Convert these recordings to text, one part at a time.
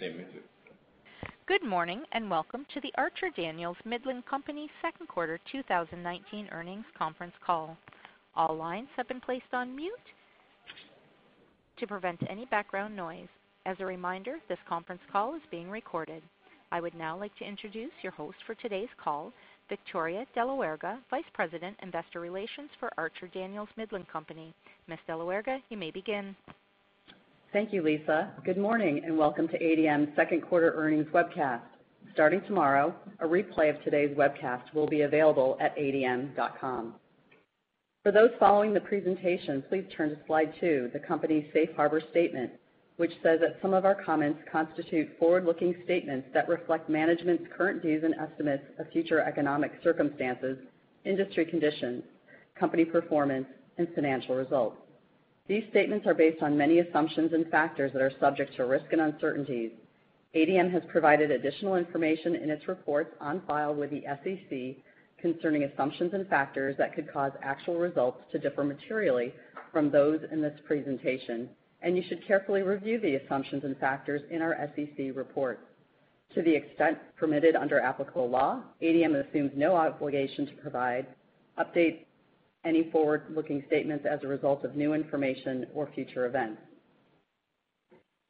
Same with you. Good morning, and welcome to the Archer Daniels Midland Company second quarter 2019 earnings conference call. All lines have been placed on mute to prevent any background noise. As a reminder, this conference call is being recorded. I would now like to introduce your host for today's call, Victoria de la Huerga, Vice President, Investor Relations for Archer Daniels Midland Company. Ms. de la Huerga, you may begin. Thank you, Lisa. Good morning and welcome to ADM's second quarter earnings webcast. Starting tomorrow, a replay of today's webcast will be available at adm.com. For those following the presentation, please turn to Slide two, the company's safe harbor statement, which says that some of our comments constitute forward-looking statements that reflect management's current views and estimates of future economic circumstances, industry conditions, company performance, and financial results. These statements are based on many assumptions and factors that are subject to risk and uncertainties. ADM has provided additional information in its reports on file with the SEC concerning assumptions and factors that could cause actual results to differ materially from those in this presentation. You should carefully review the assumptions and factors in our SEC report. To the extent permitted under applicable law, ADM assumes no obligation to provide, update any forward-looking statements as a result of new information or future events.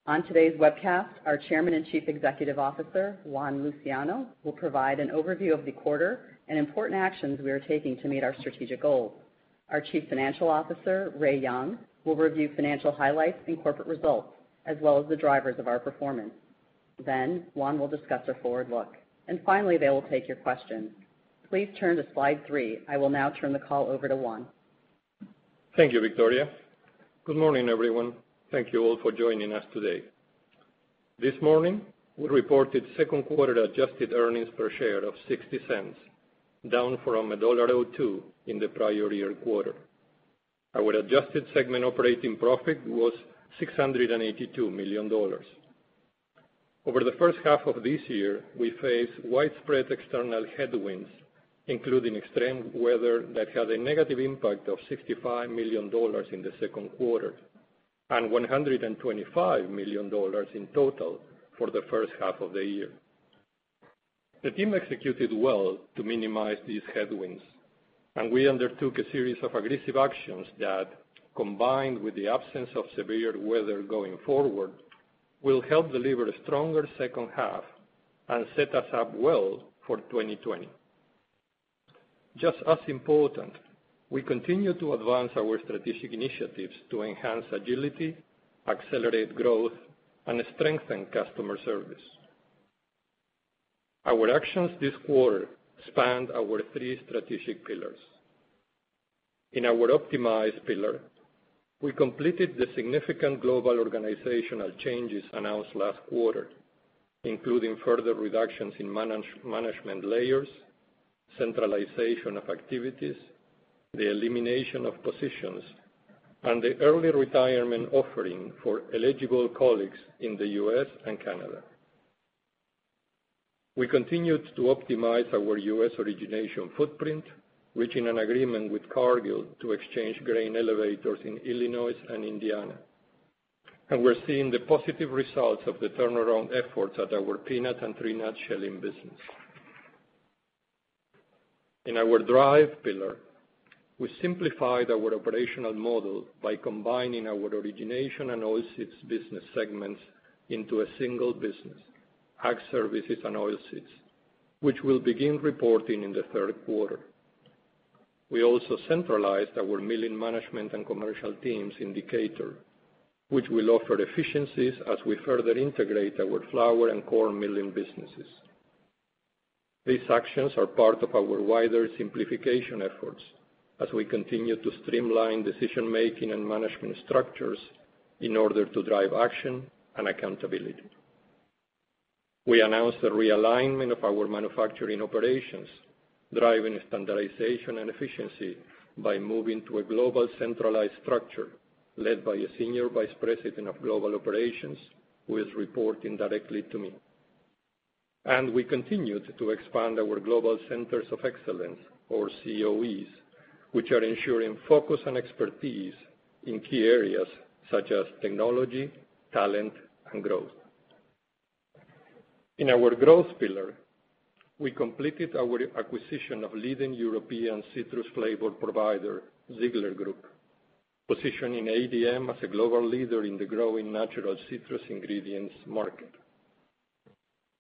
On today's webcast, our Chairman and Chief Executive Officer, Juan Luciano, will provide an overview of the quarter and important actions we are taking to meet our strategic goals. Our Chief Financial Officer, Ray Young, will review financial highlights and corporate results, as well as the drivers of our performance. Juan will discuss our forward look. Finally, they will take your questions. Please turn to Slide three. I will now turn the call over to Juan. Thank you, Victoria. Good morning, everyone. Thank you all for joining us today. This morning, we reported second quarter adjusted earnings per share of $0.60, down from $1.02 in the prior year quarter. Our adjusted segment operating profit was $682 million. Over the first half of this year, we faced widespread external headwinds, including extreme weather that had a negative impact of $65 million in the second quarter and $125 million in total for the first half of the year. The team executed well to minimize these headwinds, and we undertook a series of aggressive actions that, combined with the absence of severe weather going forward, will help deliver a stronger second half and set us up well for 2020. Just as important, we continue to advance our strategic initiatives to enhance agility, accelerate growth, and strengthen customer service. Our actions this quarter spanned our three strategic pillars. In our optimize pillar, we completed the significant global organizational changes announced last quarter, including further reductions in management layers, centralization of activities, the elimination of positions, and the early retirement offering for eligible colleagues in the U.S. and Canada. We continued to optimize our U.S. origination footprint, reaching an agreement with Cargill to exchange grain elevators in Illinois and Indiana. We're seeing the positive results of the turnaround efforts at our peanut and tree nut shelling business. In our drive pillar, we simplified our operational model by combining our origination and oilseeds business segments into a single business, Ag Services and Oilseeds, which will begin reporting in the third quarter. We also centralized our milling management and commercial teams in Decatur, which will offer efficiencies as we further integrate our flour and corn milling businesses. These actions are part of our wider simplification efforts as we continue to streamline decision-making and management structures in order to drive action and accountability. We announced the realignment of our manufacturing operations, driving standardization and efficiency by moving to a global centralized structure led by a Senior Vice President of Global Operations who is reporting directly to me. We continued to expand our global Centers of Excellence, or COEs, which are ensuring focus and expertise in key areas such as technology, talent, and growth. In our growth pillar, we completed our acquisition of leading European citrus flavor provider, Ziegler Group, positioning ADM as a global leader in the growing natural citrus ingredients market.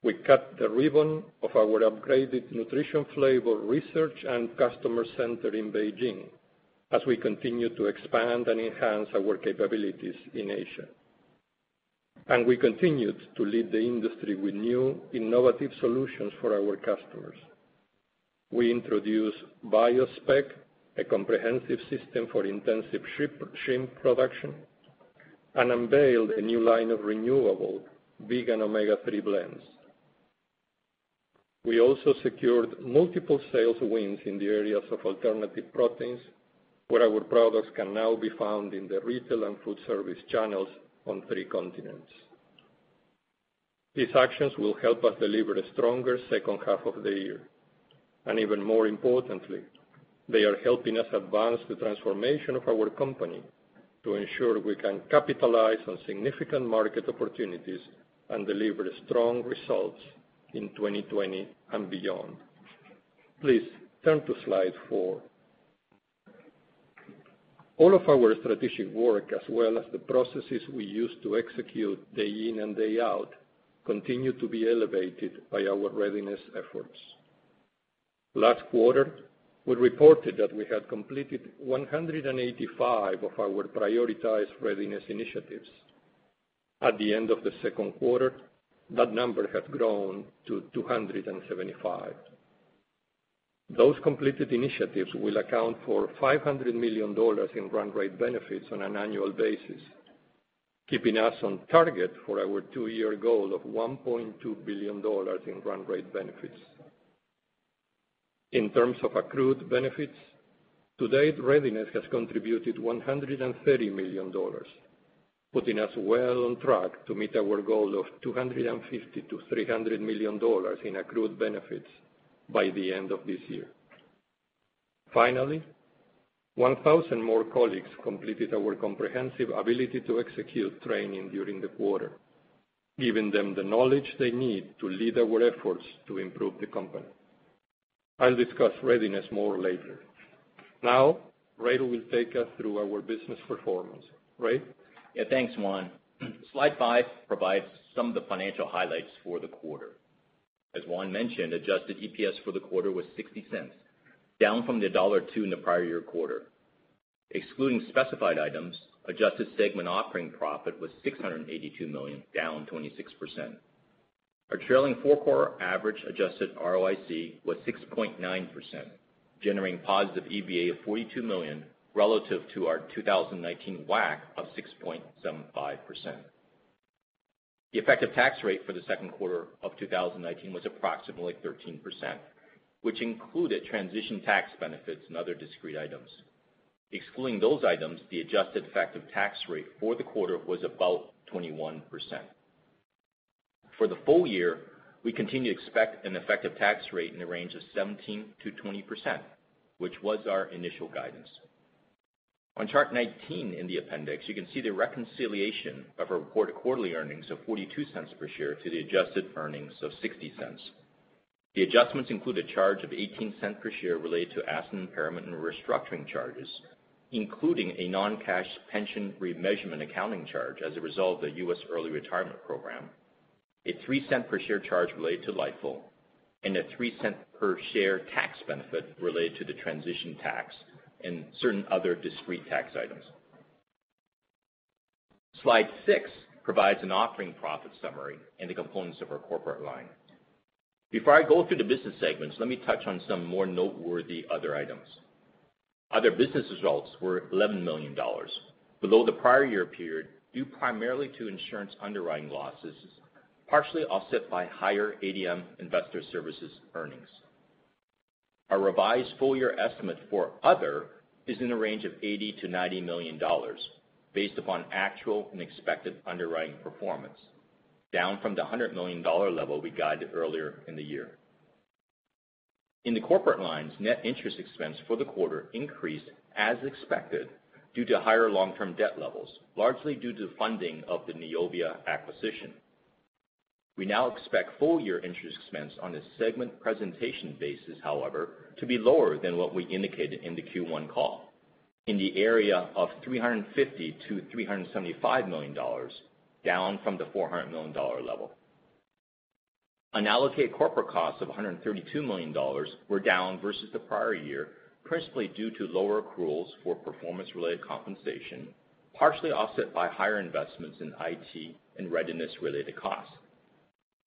We cut the ribbon of our upgraded nutrition flavor research and customer center in Beijing as we continue to expand and enhance our capabilities in Asia. We continued to lead the industry with new innovative solutions for our customers. We introduced BioSpec, a comprehensive system for intensive shrimp production and unveiled a new line of renewable vegan omega-3 blends. We also secured multiple sales wins in the areas of alternative proteins, where our products can now be found in the retail and food service channels on three continents. These actions will help us deliver a stronger second half of the year. Even more importantly, they are helping us advance the transformation of our company to ensure we can capitalize on significant market opportunities and deliver strong results in 2020 and beyond. Please turn to slide four. All of our strategic work, as well as the processes we use to execute day in and day out, continue to be elevated by our Readiness efforts. Last quarter, we reported that we had completed 185 of our prioritized Readiness initiatives. At the end of the second quarter, that number had grown to 275. Those completed initiatives will account for $500 million in run rate benefits on an annual basis, keeping us on target for our two-year goal of $1.2 billion in run rate benefits. In terms of accrued benefits, to date, Readiness has contributed $130 million, putting us well on track to meet our goal of $250 million-$300 million in accrued benefits by the end of this year. Finally, 1,000 more colleagues completed our comprehensive Ability to Execute training during the quarter, giving them the knowledge they need to lead our efforts to improve the company. I'll discuss Readiness more later. Now, Ray will take us through our business performance. Ray? Thanks, Juan. Slide five provides some of the financial highlights for the quarter. As Juan mentioned, adjusted EPS for the quarter was $0.60, down from $1.2 in the prior year quarter. Excluding specified items, adjusted segment operating profit was $682 million, down 26%. Our trailing four-quarter average adjusted ROIC was 6.9%, generating positive EVA of $42 million relative to our 2019 WACC of 6.75%. The effective tax rate for the second quarter of 2019 was approximately 13%, which included transition tax benefits and other discrete items. Excluding those items, the adjusted effective tax rate for the quarter was about 21%. For the full year, we continue to expect an effective tax rate in the range of 17%-20%, which was our initial guidance. On chart 19 in the appendix, you can see the reconciliation of our reported quarterly earnings of $0.42 per share to the adjusted earnings of $0.60. The adjustments include a charge of $0.18 per share related to asset impairment and restructuring charges, including a non-cash pension remeasurement accounting charge as a result of the U.S. Early Retirement Program, a $0.03 per share charge related to LIFO, and a $0.03 per share tax benefit related to the transition tax and certain other discrete tax items. Slide six provides an operating profit summary and the components of our corporate line. Before I go through the business segments, let me touch on some more noteworthy other items. Other business results were $11 million below the prior year period, due primarily to insurance underwriting losses, partially offset by higher ADM Investor Services earnings. Our revised full-year estimate for other is in the range of $80 million-$90 million based upon actual and expected underwriting performance, down from the $100 million level we guided earlier in the year. In the corporate lines, net interest expense for the quarter increased as expected due to higher long-term debt levels, largely due to the funding of the Neovia acquisition. We now expect full-year interest expense on a segment presentation basis, however, to be lower than what we indicated in the Q1 call, in the area of $350 million-$375 million, down from the $400 million level. Unallocated corporate costs of $132 million were down versus the prior year, principally due to lower accruals for performance-related compensation, partially offset by higher investments in IT and readiness-related costs.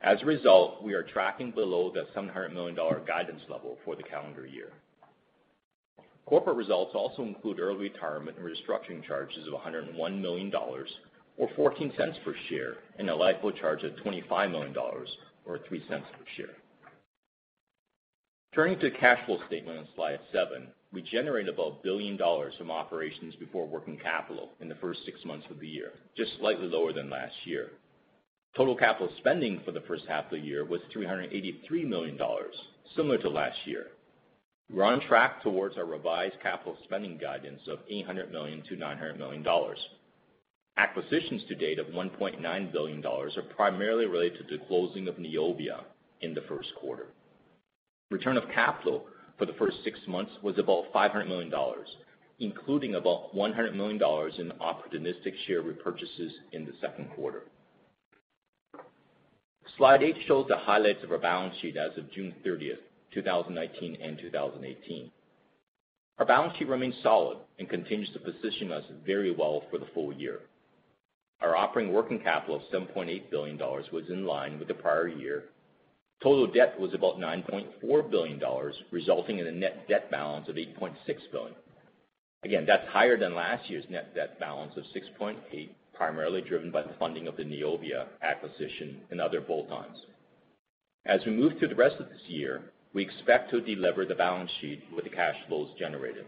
As a result, we are tracking below the $700 million guidance level for the calendar year. Corporate results also include early retirement and restructuring charges of $101 million or $0.14 per share, and a LIFO charge of $25 million or $0.03 per share. Turning to the cash flow statement on slide seven, we generate about $1 billion from operations before working capital in the first six months of the year, just slightly lower than last year. Total capital spending for the first half of the year was $383 million, similar to last year. We're on track towards our revised capital spending guidance of $800 million-$900 million. Acquisitions to date of $1.9 billion are primarily related to the closing of Neovia in the first quarter. Return of capital for the first six months was about $500 million, including about $100 million in opportunistic share repurchases in the second quarter. Slide eight shows the highlights of our balance sheet as of June 30th, 2019 and 2018. Our balance sheet remains solid and continues to position us very well for the full year. Our operating working capital of $7.8 billion was in line with the prior year. Total debt was about $9.4 billion, resulting in a net debt balance of $8.6 billion. Again, that's higher than last year's net debt balance of $6.8 billion, primarily driven by the funding of the Neovia acquisition and other bolt-As we move through the rest of this year, we expect to delever the balance sheet with the cash flows generated.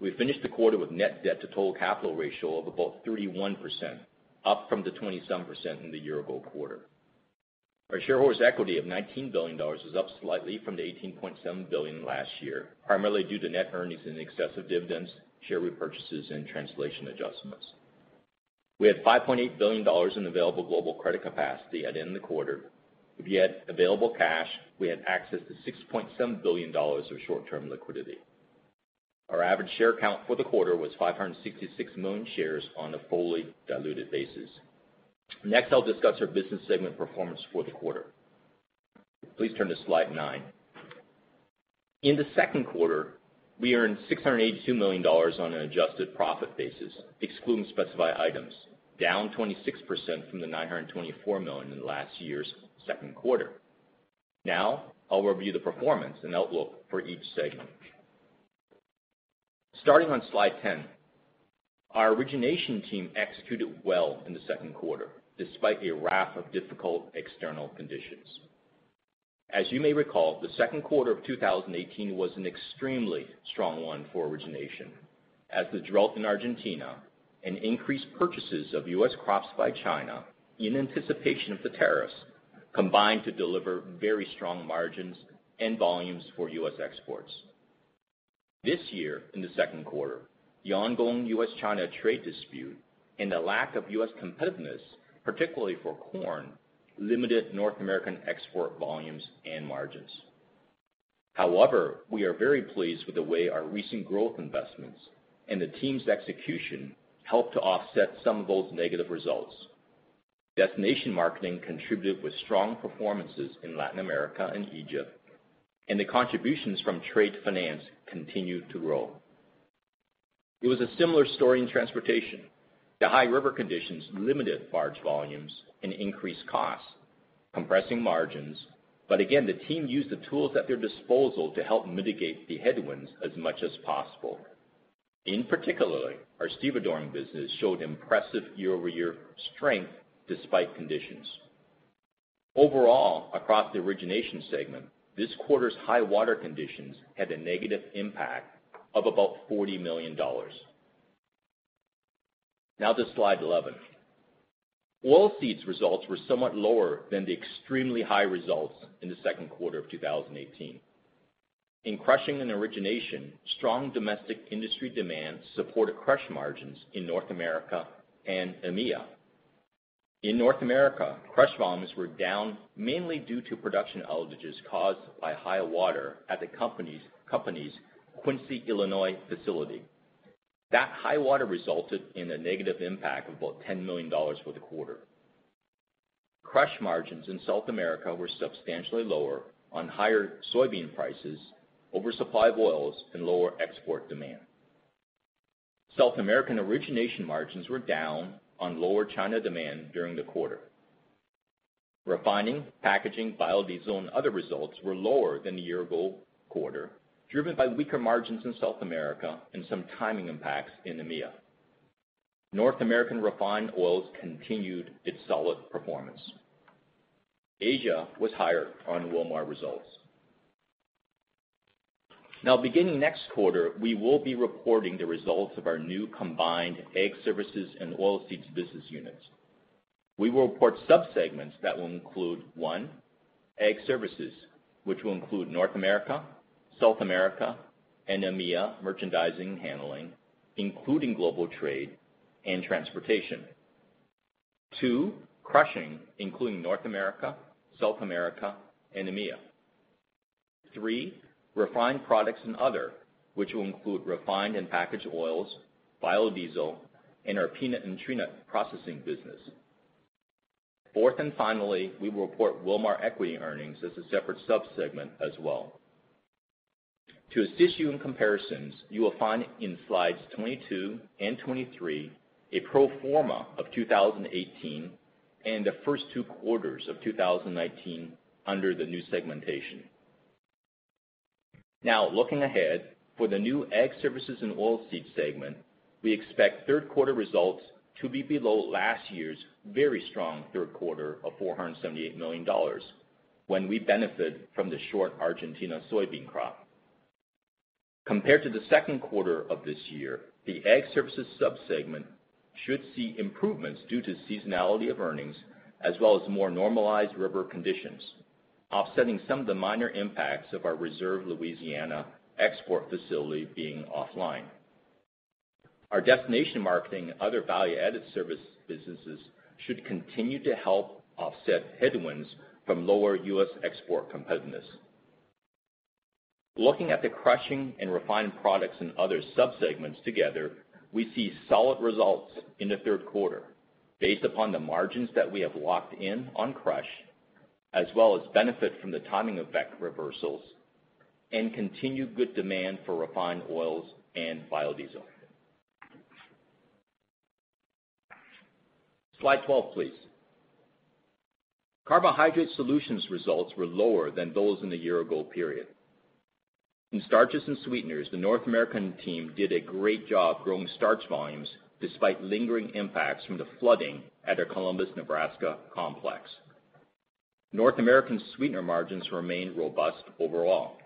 We finished the quarter with net debt to total capital ratio of about 31%, up from the 27% in the year-ago quarter. Our shareholders' equity of $19 billion is up slightly from the $18.7 billion last year, primarily due to net earnings in excess of dividends, share repurchases and translation adjustments. We had $5.8 billion in available global credit capacity at end the quarter. If you add available cash, we had access to $6.7 billion of short-term liquidity. Our average share count for the quarter was 566 million shares on a fully diluted basis. Next, I'll discuss our business segment performance for the quarter. Please turn to slide nine. In the second quarter, we earned $682 million on an adjusted profit basis, excluding specified items, down 26% from the $924 million in last year's second quarter. Now, I'll review the performance and outlook for each segment. Starting on slide 10, our origination team executed well in the second quarter, despite a raft of difficult external conditions. As you may recall, the second quarter of 2018 was an extremely strong one for origination, as the drought in Argentina and increased purchases of U.S. crops by China in anticipation of the tariffs combined to deliver very strong margins and volumes for U.S. exports. This year in the second quarter, the ongoing U.S.-China trade dispute and the lack of U.S. competitiveness, particularly for corn, limited North American export volumes and margins. We are very pleased with the way our recent growth investments and the team's execution helped to offset some of those negative results. Destination marketing contributed with strong performances in Latin America and Egypt, and the contributions from trade finance continued to grow. It was a similar story in transportation. The high river conditions limited barge volumes and increased costs, compressing margins, but again, the team used the tools at their disposal to help mitigate the headwinds as much as possible. In particular, our stevedoring business showed impressive year-over-year strength despite conditions. Overall, across the origination segment, this quarter's high water conditions had a negative impact of about $40 million. To slide 11. Oilseeds results were somewhat lower than the extremely high results in the second quarter of 2018. In crushing and origination, strong domestic industry demand supported crush margins in North America and EMEA. North America, crush volumes were down mainly due to production outages caused by high water at the company's Quincy, Illinois facility. High water resulted in a negative impact of about $10 million for the quarter. Crush margins in South America were substantially lower on higher soybean prices, oversupply of oils, and lower export demand. South American origination margins were down on lower China demand during the quarter. Refining, packaging, biodiesel, and other results were lower than the year-ago quarter, driven by weaker margins in South America and some timing impacts in EMEA. North American refined oils continued its solid performance. Asia was higher on Wilmar results. Beginning next quarter, we will be reporting the results of our new combined Ag Services and Oilseeds business units. We will report subsegments that will include, 1, Ag Services, which will include North America, South America, and EMEA merchandising handling, including global trade and transportation. 2, Crushing, including North America, South America, and EMEA. 3, Refined Products and Other, which will include refined and packaged oils, biodiesel, and our peanut and tree nut processing business. Fourth and finally, we will report Wilmar equity earnings as a separate subsegment as well. To assist you in comparisons, you will find in slides 22 and 23 a pro forma of 2018 and the first two quarters of 2019 under the new segmentation. Now, looking ahead, for the new Ag Services and Oilseeds segment, we expect third quarter results to be below last year's very strong third quarter of $478 million, when we benefited from the short Argentina soybean crop. Compared to the second quarter of this year, the Ag Services subsegment should see improvements due to seasonality of earnings as well as more normalized river conditions, offsetting some of the minor impacts of our Reserve Louisiana export facility being offline. Our destination marketing and other value-added service businesses should continue to help offset headwinds from lower U.S. export competitiveness. Looking at the crushing and refined products and other subsegments together, we see solid results in the third quarter based upon the margins that we have locked in on crush, as well as benefit from the timing of effect reversals and continued good demand for refined oils and biodiesel. Slide 12, please. Carbohydrate Solutions results were lower than those in the year-ago period. In starches and sweeteners, the North American team did a great job growing starch volumes despite lingering impacts from the flooding at our Columbus, Nebraska complex. North American sweetener margins remained robust overall.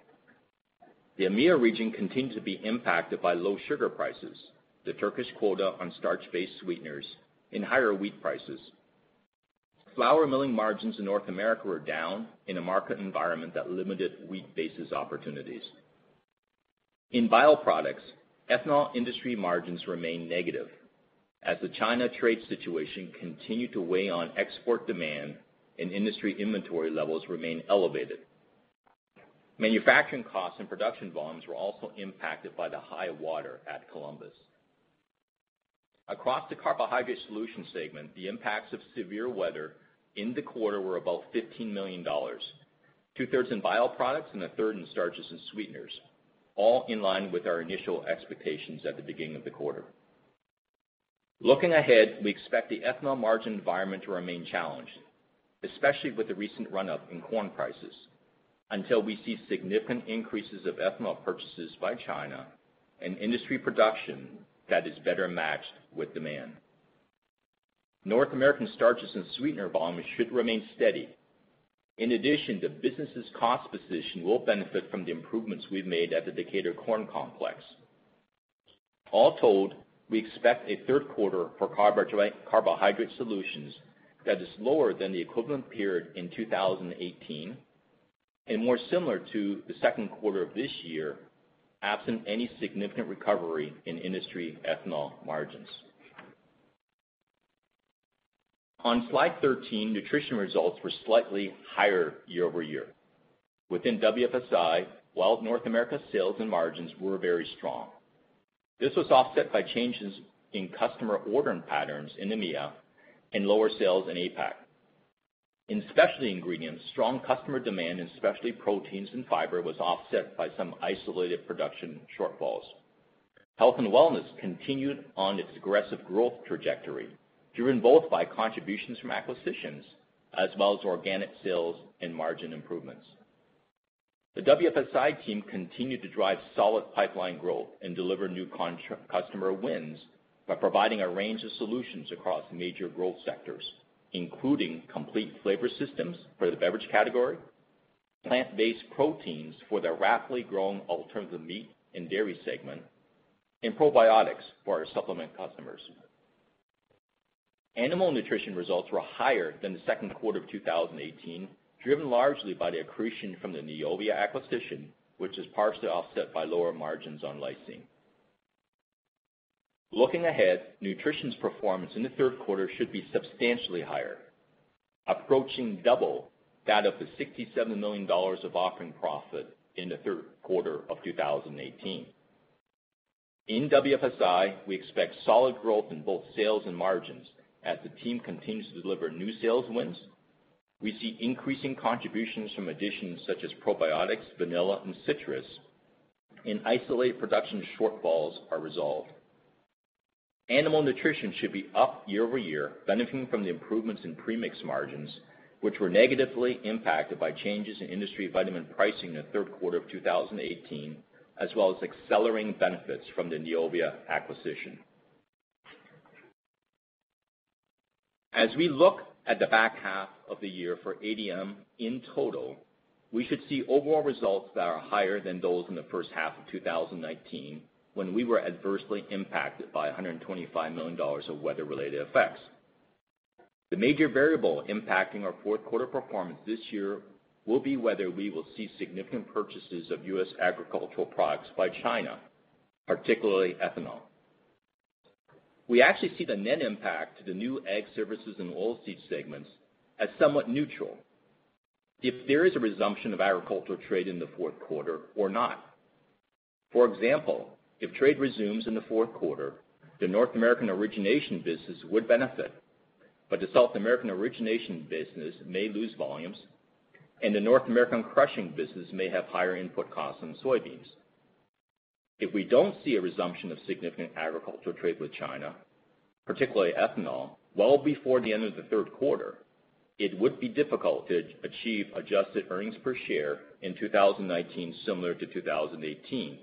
The EMEA region continued to be impacted by low sugar prices, the Turkish quota on starch-based sweeteners, and higher wheat prices. Flour milling margins in North America were down in a market environment that limited wheat basis opportunities. In bioproducts, ethanol industry margins remained negative, as the China trade situation continued to weigh on export demand and industry inventory levels remained elevated. Manufacturing costs and production volumes were also impacted by the high water at Columbus. Across the Carbohydrate Solutions segment, the impacts of severe weather in the quarter were about $15 million, two-thirds in bioproducts and a third in starches and sweeteners, all in line with our initial expectations at the beginning of the quarter. Looking ahead, we expect the ethanol margin environment to remain challenged, especially with the recent run-up in corn prices, until we see significant increases of ethanol purchases by China and industry production that is better matched with demand. North American starches and sweetener volumes should remain steady. In addition, the business's cost position will benefit from the improvements we've made at the Decatur Corn Complex. All told, we expect a third quarter for Carbohydrate Solutions that is lower than the equivalent period in 2018 and more similar to the second quarter of this year, absent any significant recovery in industry ethanol margins. On slide 13, nutrition results were slightly higher year-over-year. Within WFSI, while North America sales and margins were very strong, this was offset by changes in customer ordering patterns in EMEA and lower sales in APAC. In specialty ingredients, strong customer demand, especially proteins and fiber, was offset by some isolated production shortfalls. Health and wellness continued on its aggressive growth trajectory, driven both by contributions from acquisitions as well as organic sales and margin improvements. The WFSI team continued to drive solid pipeline growth and deliver new customer wins by providing a range of solutions across major growth sectors, including complete flavor systems for the beverage category, plant-based proteins for the rapidly growing alternative meat and dairy segment, and probiotics for our supplement customers. Animal nutrition results were higher than the second quarter of 2018, driven largely by the accretion from the Neovia acquisition, which is partially offset by lower margins on lysine. Looking ahead, nutrition's performance in the third quarter should be substantially higher, approaching double that of the $67 million of operating profit in the third quarter of 2018. In WFSI, we expect solid growth in both sales and margins as the team continues to deliver new sales wins. We see increasing contributions from additions such as probiotics, vanilla, and citrus and isolate production shortfalls are resolved. Animal nutrition should be up year-over-year, benefiting from the improvements in premix margins, which were negatively impacted by changes in industry vitamin pricing in the third quarter of 2018, as well as accelerating benefits from the Neovia acquisition. As we look at the back half of the year for ADM in total, we should see overall results that are higher than those in the first half of 2019, when we were adversely impacted by $125 million of weather-related effects. The major variable impacting our fourth quarter performance this year will be whether we will see significant purchases of U.S. agricultural products by China, particularly ethanol. We actually see the net impact to the new Ag Services and Oilseeds segments as somewhat neutral if there is a resumption of agricultural trade in the fourth quarter or not. For example, if trade resumes in the fourth quarter, the North American origination business would benefit, but the South American origination business may lose volumes, and the North American crushing business may have higher input costs on soybeans. If we don't see a resumption of significant agricultural trade with China, particularly ethanol, well before the end of the third quarter, it would be difficult to achieve adjusted earnings per share in 2019 similar to 2018,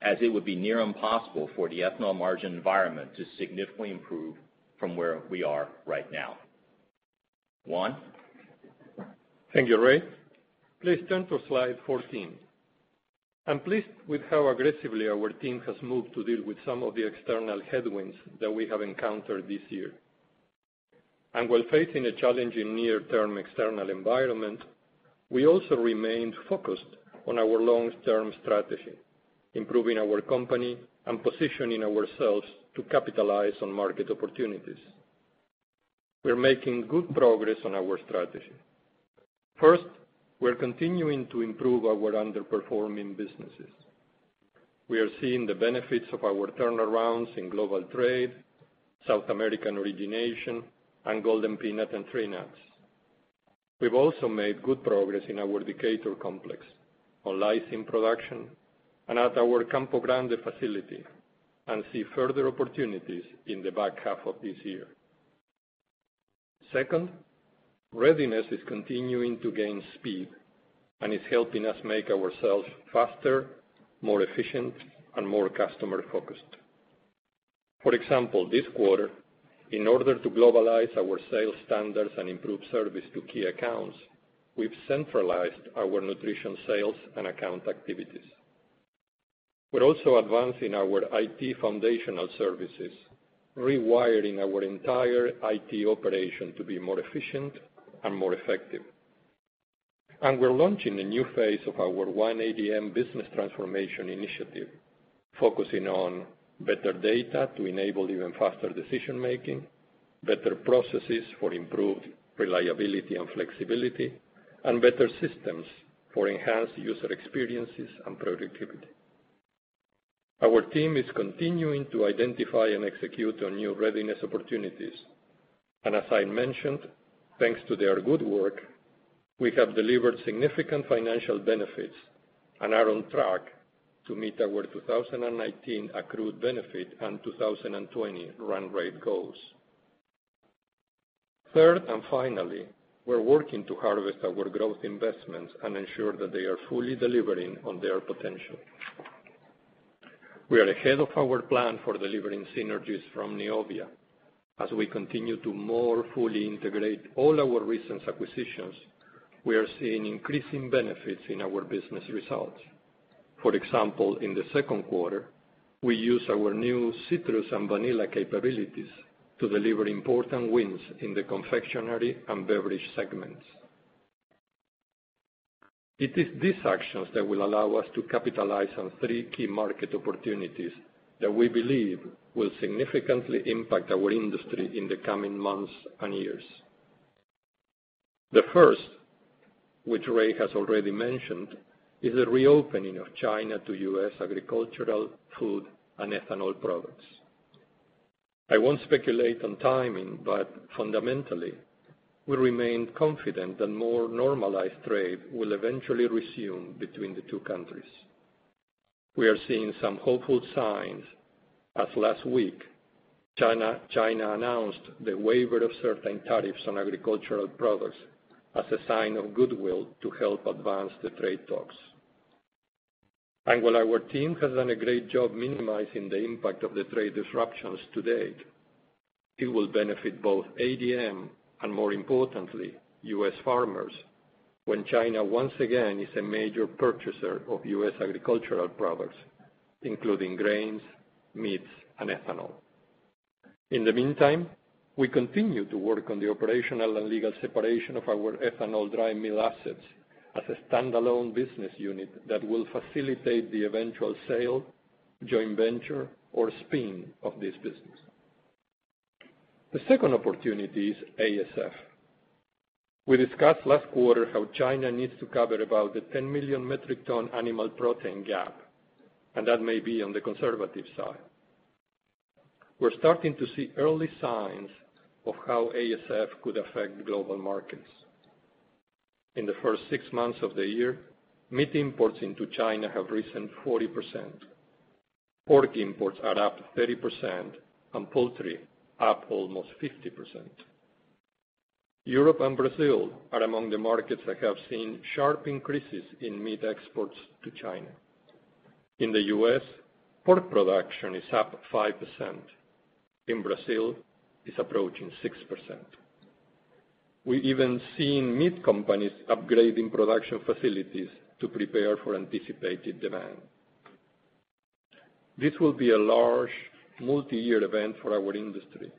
as it would be near impossible for the ethanol margin environment to significantly improve from where we are right now. Juan? Thank you, Ray. Please turn to slide 14. I'm pleased with how aggressively our team has moved to deal with some of the external headwinds that we have encountered this year. While facing a challenging near-term external environment, we also remained focused on our long-term strategy, improving our company, and positioning ourselves to capitalize on market opportunities. We're making good progress on our strategy. First, we're continuing to improve our underperforming businesses. We are seeing the benefits of our turnarounds in global trade, South American origination, and Golden Peanut and Tree Nuts. We've also made good progress in our Decatur complex on lysine production and at our Campo Grande facility and see further opportunities in the back half of this year. Second, Readiness is continuing to gain speed and is helping us make ourselves faster, more efficient, and more customer-focused. For example, this quarter, in order to globalize our sales standards and improve service to key accounts, we've centralized our nutrition sales and account activities. We're also advancing our IT foundational services, rewiring our entire IT operation to be more efficient and more effective. We're launching a new phase of our One ADM business transformation initiative, focusing on better data to enable even faster decision-making, better processes for improved reliability and flexibility, and better systems for enhanced user experiences and productivity. Our team is continuing to identify and execute on new Readiness opportunities. As I mentioned, thanks to their good work, we have delivered significant financial benefits and are on track to meet our 2019 accrued benefit and 2020 run rate goals. Third, and finally, we're working to harvest our growth investments and ensure that they are fully delivering on their potential. We are ahead of our plan for delivering synergies from Neovia. As we continue to more fully integrate all our recent acquisitions, we are seeing increasing benefits in our business results. For example, in the second quarter, we used our new citrus and vanilla capabilities to deliver important wins in the confectionery and beverage segments. It is these actions that will allow us to capitalize on three key market opportunities that we believe will significantly impact our industry in the coming months and years. The first, which Ray has already mentioned, is the reopening of China to U.S. agricultural, food, and ethanol products. I won't speculate on timing, fundamentally, we remain confident that more normalized trade will eventually resume between the two countries. We are seeing some hopeful signs as last week, China announced the waiver of certain tariffs on agricultural products as a sign of goodwill to help advance the trade talks. While our team has done a great job minimizing the impact of the trade disruptions to date, it will benefit both ADM and, more importantly, U.S. farmers when China, once again, is a major purchaser of U.S. agricultural products, including grains, meats, and ethanol. In the meantime, we continue to work on the operational and legal separation of our ethanol dry mill assets as a standalone business unit that will facilitate the eventual sale, joint venture, or spin of this business. The second opportunity is ASF. We discussed last quarter how China needs to cover about the 10 million metric ton animal protein gap, and that may be on the conservative side. We're starting to see early signs of how ASF could affect global markets. In the first six months of the year, meat imports into China have risen 40%. Pork imports are up 30% and poultry up almost 50%. Europe and Brazil are among the markets that have seen sharp increases in meat exports to China. In the U.S., pork production is up 5%. In Brazil, it's approaching 6%. We're even seeing meat companies upgrading production facilities to prepare for anticipated demand. This will be a large multi-year event for our industry,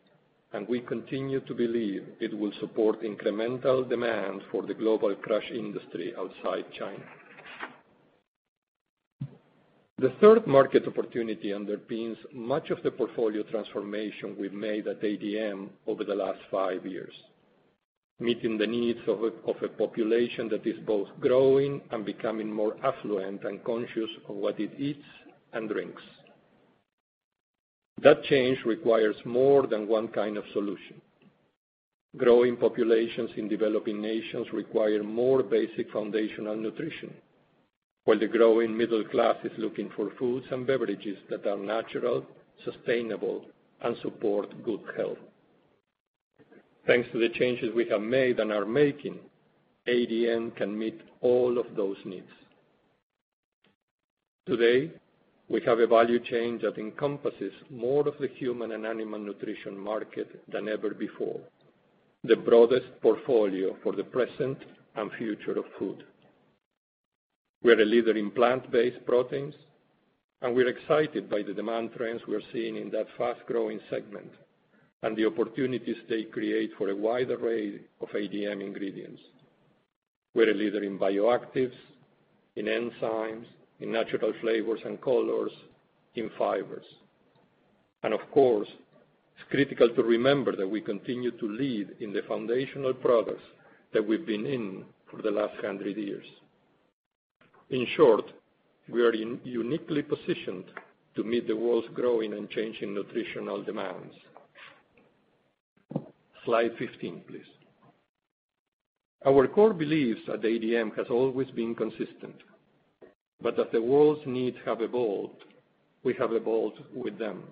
and we continue to believe it will support incremental demand for the global crush industry outside China. The third market opportunity underpins much of the portfolio transformation we've made at ADM over the last five years, meeting the needs of a population that is both growing and becoming more affluent and conscious of what it eats and drinks. That change requires more than one kind of solution. Growing populations in developing nations require more basic foundational nutrition, while the growing middle class is looking for foods and beverages that are natural, sustainable, and support good health. Thanks to the changes we have made and are making, ADM can meet all of those needs. Today, we have a value chain that encompasses more of the human and animal nutrition market than ever before, the broadest portfolio for the present and future of food. We're a leader in plant-based proteins, and we're excited by the demand trends we're seeing in that fast-growing segment and the opportunities they create for a wide array of ADM ingredients. We're a leader in bioactives, in enzymes, in natural flavors and colors, in fibers. Of course, it's critical to remember that we continue to lead in the foundational products that we've been in for the last 100 years. In short, we are uniquely positioned to meet the world's growing and changing nutritional demands. Slide 15, please. Our core beliefs at ADM has always been consistent, but as the world's needs have evolved, we have evolved with them.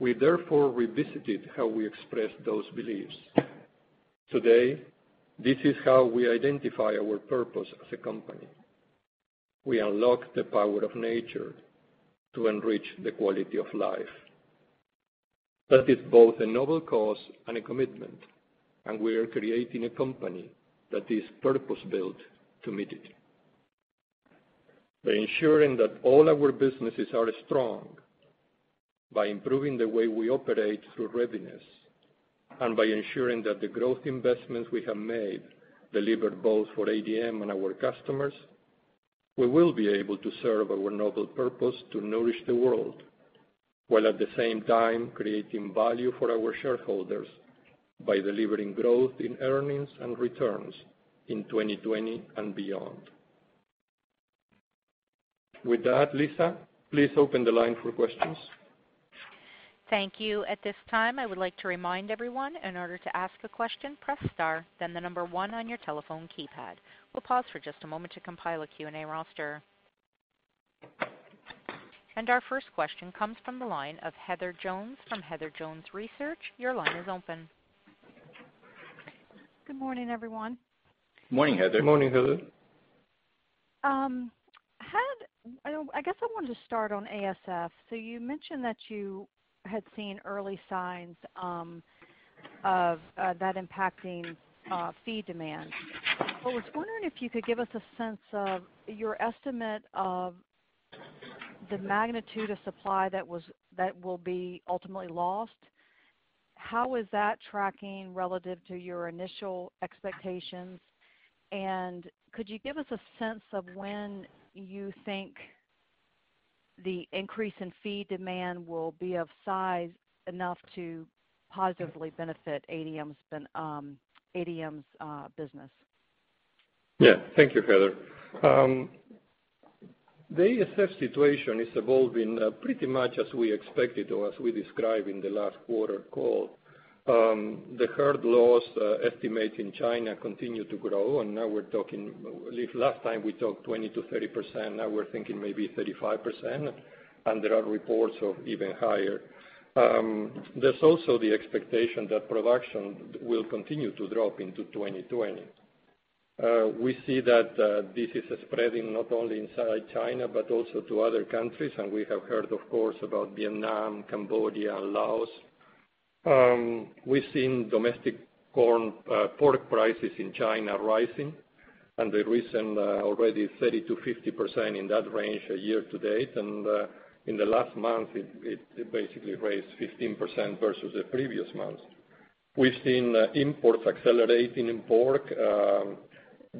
We therefore revisited how we express those beliefs. Today, this is how we identify our purpose as a company. We unlock the power of nature to enrich the quality of life. That is both a noble cause and a commitment, and we are creating a company that is purpose-built to meet it. By ensuring that all our businesses are strong, by improving the way we operate through Readiness, and by ensuring that the growth investments we have made deliver both for ADM and our customers, we will be able to serve our noble purpose to nourish the world, while at the same time creating value for our shareholders by delivering growth in earnings and returns in 2020 and beyond. With that, Lisa, please open the line for questions. Thank you. At this time, I would like to remind everyone, in order to ask a question, press star, then the number 1 on your telephone keypad. We'll pause for just a moment to compile a Q&A roster. Our first question comes from the line of Heather Jones from Heather Jones Research. Your line is open. Good morning, everyone. Morning, Heather. Morning, Heather. I guess I wanted to start on ASF. You mentioned that you had seen early signs of that impacting feed demand. I was wondering if you could give us a sense of your estimate of the magnitude of supply that will be ultimately lost. How is that tracking relative to your initial expectations? Could you give us a sense of when you think the increase in feed demand will be of size enough to positively benefit ADM's business? Yeah. Thank you, Heather. The ASF situation is evolving pretty much as we expected or as we described in the last quarter call. The herd loss estimate in China continue to grow, and now we're talking, last time we talked 20%-30%, now we're thinking maybe 35%, and there are reports of even higher. There's also the expectation that production will continue to drop into 2020. We see that this is spreading not only inside China, but also to other countries, and we have heard, of course, about Vietnam, Cambodia, and Laos. We've seen domestic pork prices in China rising, and the recent already 30%-50% in that range year to date. In the last month, it basically raised 15% versus the previous month. We've seen imports accelerating in pork.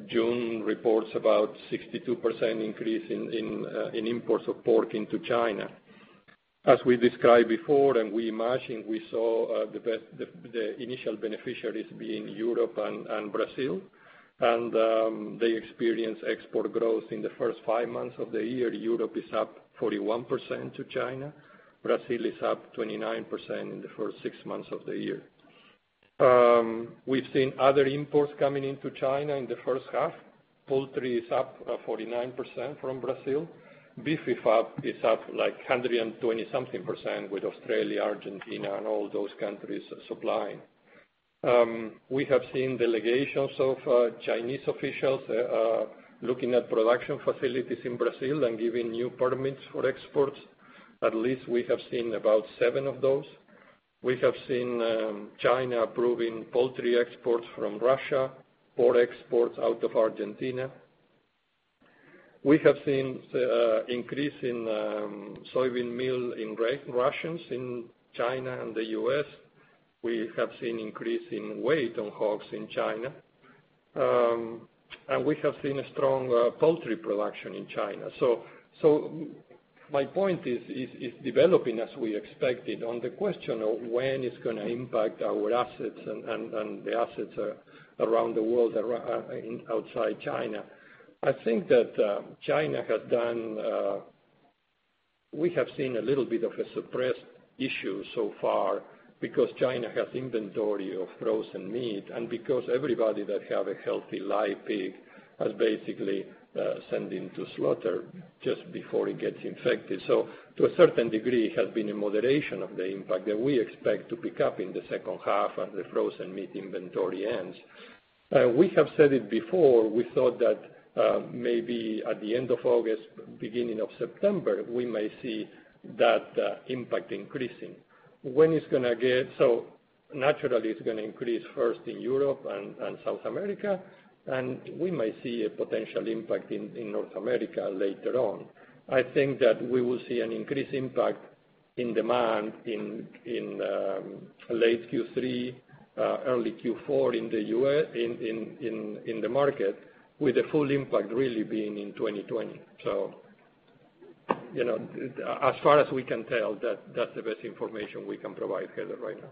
June reports about 62% increase in imports of pork into China. As we described before and we imagined, we saw the initial beneficiaries being Europe and Brazil. They experienced export growth in the first five months of the year. Europe is up 41% to China. Brazil is up 29% in the first six months of the year. We've seen other imports coming into China in the first half. Poultry is up 49% from Brazil. Beef is up like 120-something percent with Australia, Argentina, and all those countries supplying. We have seen delegations of Chinese officials looking at production facilities in Brazil and giving new permits for exports. At least we have seen about seven of those. We have seen China approving poultry exports from Russia, pork exports out of Argentina. We have seen increase in soybean meal in rations in China and the U.S. We have seen increase in weight on hogs in China. We have seen a strong poultry production in China. My point is, it is developing as we expected. On the question of when it is going to impact our assets and the assets around the world outside China, I think that China has done. We have seen a little bit of a suppressed issue so far because China has inventory of frozen meat and because everybody that have a healthy live pig has basically sent him to slaughter just before he gets infected. To a certain degree, has been a moderation of the impact that we expect to pick up in the second half as the frozen meat inventory ends. We have said it before, we thought that maybe at the end of August, beginning of September, we may see that impact increasing. Naturally, it's going to increase first in Europe and South America, and we may see a potential impact in North America later on. I think that we will see an increased impact in demand in late Q3, early Q4 in the market, with the full impact really being in 2020. As far as we can tell, that's the best information we can provide, Heather, right now.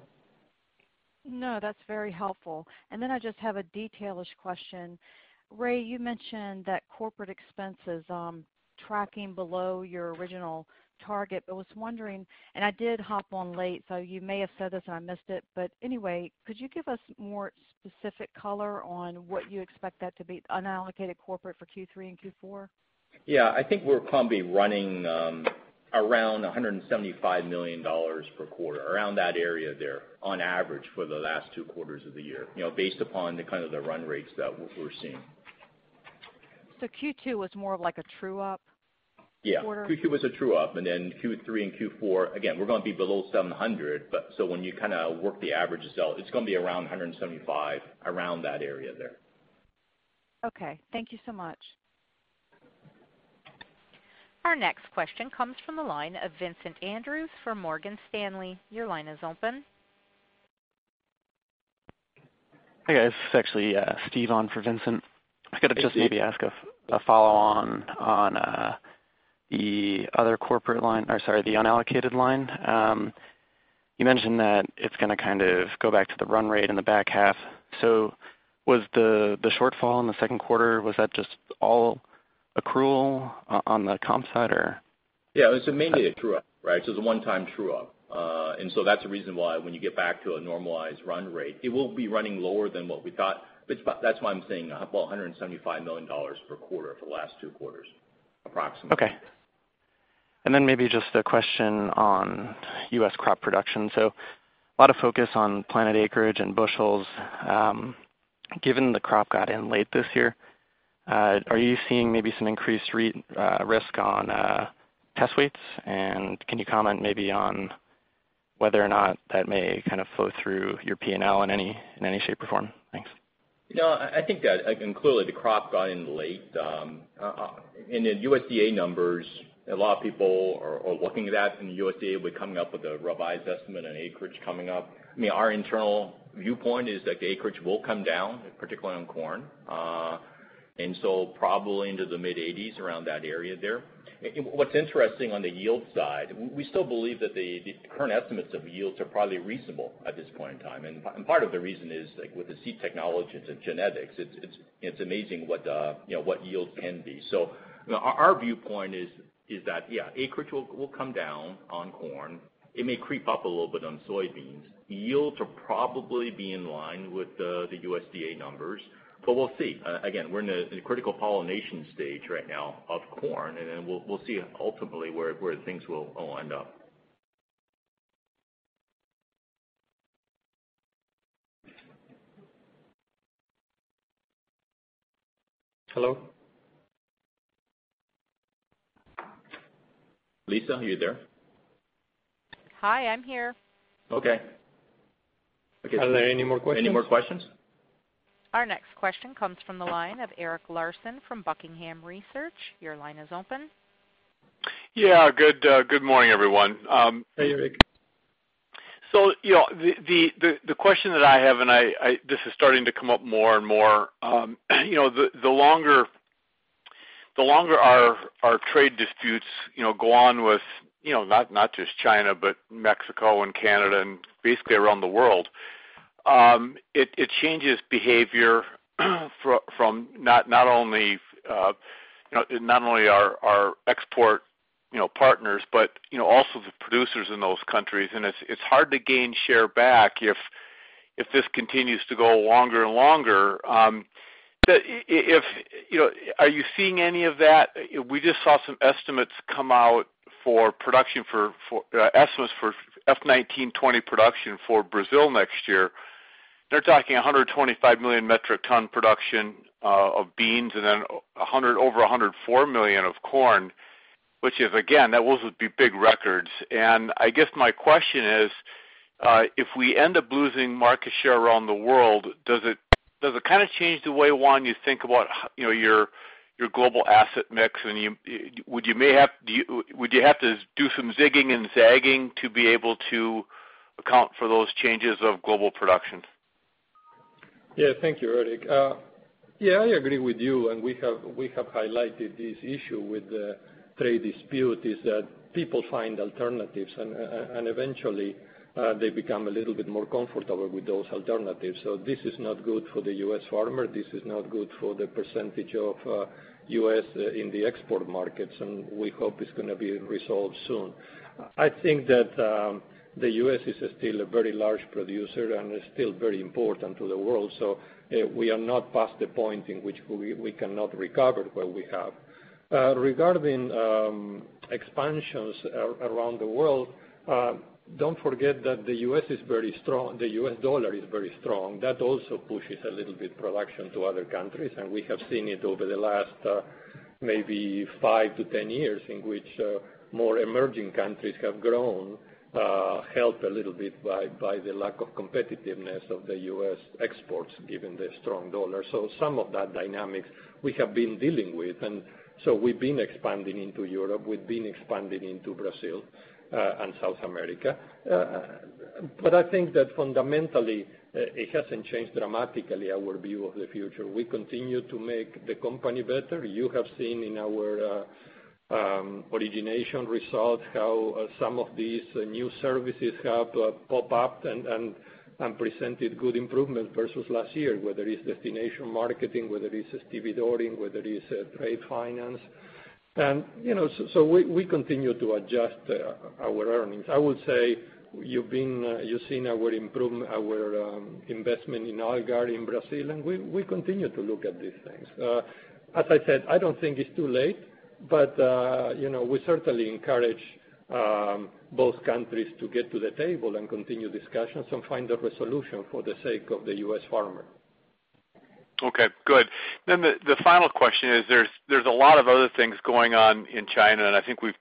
No, that's very helpful. I just have a detail-ish question. Ray, you mentioned that corporate expenses tracking below your original target. I was wondering, and I did hop on late, so you may have said this and I missed it. Could you give us more specific color on what you expect that to be, unallocated corporate for Q3 and Q4? I think we'll probably be running around $175 million per quarter, around that area there on average for the last two quarters of the year, based upon the run rates that we're seeing. Q2 was more of like a true up quarter? Yeah. Q2 was a true up, and then Q3 and Q4, again, we're going to be below $700, so when you work the averages out, it's going to be around $175, around that area there. Okay, thank you so much. Our next question comes from the line of Vincent Andrews from Morgan Stanley. Your line is open. Hi, guys. This is actually Steve on for Vincent. Hey, Steve. I was going to just maybe ask a follow on the other corporate line, or sorry, the unallocated line. You mentioned that it's going to kind of go back to the run rate in the back half. Was the shortfall in the second quarter, was that just all accrual on the comp side, or? Yeah, it was mainly a true up, right? It's a one time true up. That's the reason why when you get back to a normalized run rate, it will be running lower than what we thought. That's why I'm saying about $175 million per quarter for the last two quarters, approximately. Okay. Maybe just a question on U.S. crop production. A lot of focus on planted acreage and bushels. Given the crop got in late this year, are you seeing maybe some increased risk on test weights? Can you comment maybe on whether or not that may kind of flow through your P&L in any shape or form? Thanks. I think that clearly the crop got in late. The USDA numbers, a lot of people are looking at the USDA, will be coming up with a revised estimate on acreage coming up. Our internal viewpoint is that the acreage will come down, particularly on corn. Probably into the mid-80s, around that area there. What's interesting on the yield side, we still believe that the current estimates of yields are probably reasonable at this point in time. Part of the reason is, like with the seed technology, it's the genetics. It's amazing what yields can be. Our viewpoint is that, yeah, acreage will come down on corn. It may creep up a little bit on soybeans. Yields will probably be in line with the USDA numbers, but we'll see. We're in a critical pollination stage right now of corn, then we'll see ultimately where things will end up. Hello? Lisa, are you there? Hi, I'm here. Okay. Are there any more questions? Any more questions? Our next question comes from the line of Eric Larson from Buckingham Research. Your line is open. Yeah. Good morning, everyone. Hey, Eric. The question that I have, and this is starting to come up more and more. The longer our trade disputes go on with not just China, but Mexico and Canada, and basically around the world. It changes behavior from not only our export partners, but also the producers in those countries. It's hard to gain share back if this continues to go longer and longer. Are you seeing any of that? We just saw some estimates come out for production for estimates for FY 2019/2020 production for Brazil next year. They're talking 125 million metric ton production of beans and then over 104 million of corn, which is, again, those would be big records. I guess my question is, if we end up losing market share around the world, does it kind of change the way, Juan, you think about your global asset mix and would you have to do some zigging and zagging to be able to account for those changes of global production? Yeah. Thank you, Eric. I agree with you, and we have highlighted this issue with the trade dispute, is that people find alternatives, and eventually, they become a little bit more comfortable with those alternatives. This is not good for the U.S. farmer. This is not good for the percentage of U.S. in the export markets, and we hope it's going to be resolved soon. I think that the U.S. is still a very large producer and is still very important to the world. We are not past the point in which we cannot recover what we have. Regarding expansions around the world, don't forget that the U.S. dollar is very strong. That also pushes a little bit production to other countries, and we have seen it over the last maybe five to 10 years, in which more emerging countries have grown, helped a little bit by the lack of competitiveness of the U.S. exports, given the strong dollar. Some of that dynamic we have been dealing with. We've been expanding into Europe, we've been expanding into Brazil and South America. I think that fundamentally, it hasn't changed dramatically our view of the future. We continue to make the company better. You have seen in our origination results how some of these new services have popped up and presented good improvement versus last year, whether it's destination marketing, whether it's debit ordering, whether it's trade finance. We continue to adjust our earnings. I would say you've seen our investment in Algar in Brazil. We continue to look at these things. As I said, I don't think it's too late. We certainly encourage both countries to get to the table and continue discussions and find a resolution for the sake of the U.S. farmer. Okay, good. The final question is, there's a lot of other things going on in China, and I think we've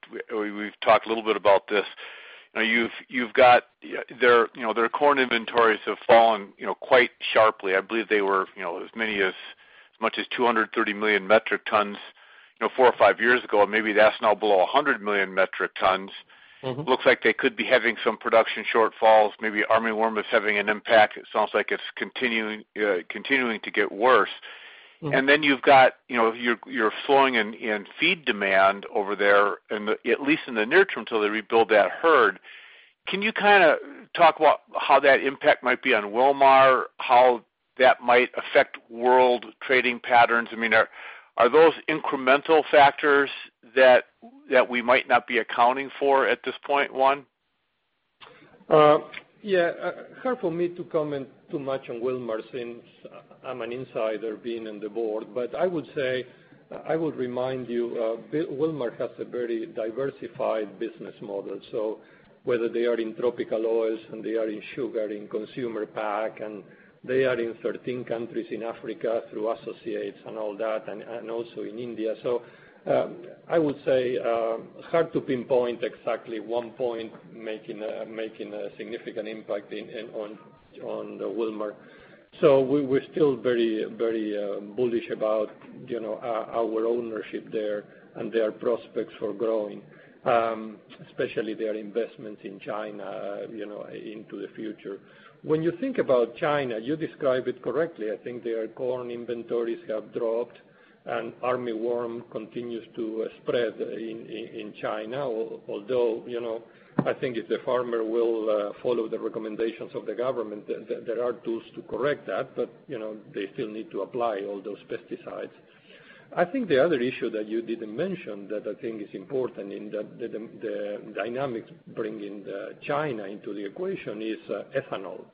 talked a little bit about this. Their corn inventories have fallen quite sharply. I believe they were as much as 230 million metric tons four or five years ago, and maybe that's now below 100 million metric tons. Looks like they could be having some production shortfalls, maybe armyworm is having an impact. It sounds like it's continuing to get worse. Then you've got your flowing in feed demand over there, at least in the near term, till they rebuild that herd. Can you talk about how that impact might be on Wilmar? How that might affect world trading patterns? I mean, are those incremental factors that we might not be accounting for at this point, Juan? Yeah. Hard for me to comment too much on Wilmar since I'm an insider being in the board. I would remind you, Wilmar has a very diversified business model. Whether they are in tropical oils, and they are in sugar, in consumer pack, and they are in 13 countries in Africa through associates and all that, and also in India. I would say, hard to pinpoint exactly one point making a significant impact on the Wilmar. We're still very bullish about our ownership there and their prospects for growing, especially their investments in China into the future. When you think about China, you describe it correctly. I think their corn inventories have dropped, and armyworm continues to spread in China. Although, I think if the farmer will follow the recommendations of the government, there are tools to correct that. They still need to apply all those pesticides. I think the other issue that you didn't mention that I think is important in the dynamics bringing China into the equation is ethanol.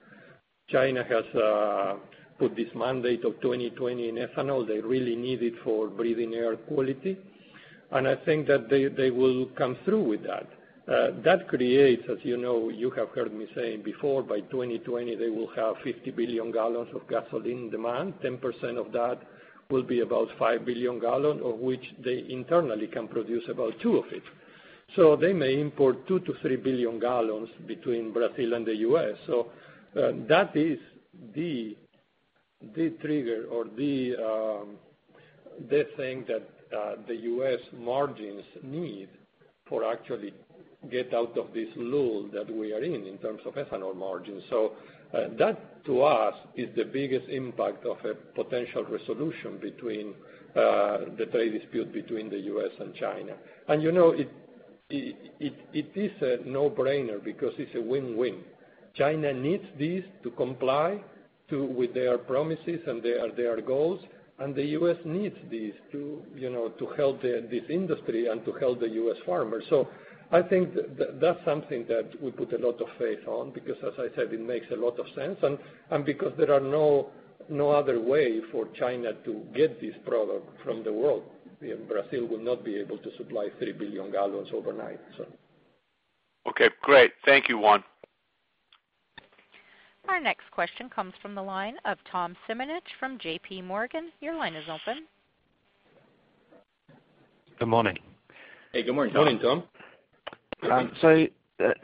China has put this mandate of 2020 in ethanol. They really need it for breathing air quality. I think that they will come through with that. That creates, as you know, you have heard me saying before, by 2020 they will have 50 billion gallons of gasoline demand. 10% of that will be about 5 billion gallons, of which they internally can produce about two of it. They may import 2 billion-3 billion gallons between Brazil and the U.S. That is the trigger or the thing that the U.S. margins need to actually get out of this lull that we are in terms of ethanol margins. That to us is the biggest impact of a potential resolution between the trade dispute between the U.S. and China. It is a no-brainer because it's a win-win. China needs this to comply with their promises and their goals, and the U.S. needs this to help this industry and to help the U.S. farmers. I think that's something that we put a lot of faith on because as I said, it makes a lot of sense, and because there are no other way for China to get this product from the world. Brazil will not be able to supply 3 billion gallons overnight. Okay, great. Thank you, Juan. Our next question comes from the line of Tom Simonitsch from JPMorgan. Your line is open. Good morning. Hey, good morning, Tom. Morning, Tom.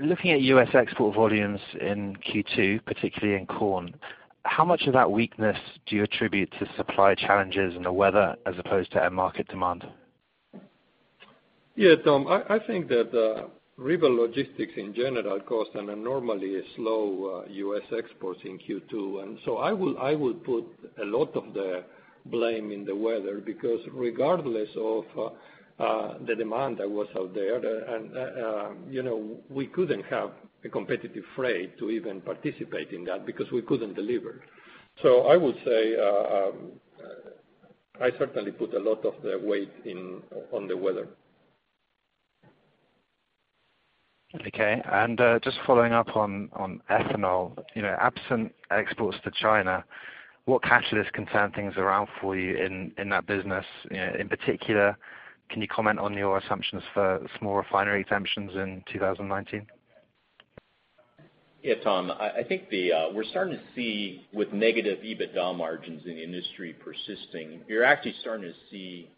Looking at U.S. export volumes in Q2, particularly in corn, how much of that weakness do you attribute to supply challenges and the weather as opposed to end market demand? Yeah, Tom, I think that river logistics in general cost an abnormally slow U.S. exports in Q2. I would put a lot of the blame in the weather because regardless of the demand that was out there, we couldn't have a competitive freight to even participate in that because we couldn't deliver. I would say, I certainly put a lot of the weight on the weather. Okay, just following up on ethanol. Absent exports to China, what catalysts can turn things around for you in that business? In particular, can you comment on your assumptions for small refinery exemptions in 2019? Yeah, Tom. I think we're starting to see with negative EBITDA margins in the industry persisting. You're actually starting to see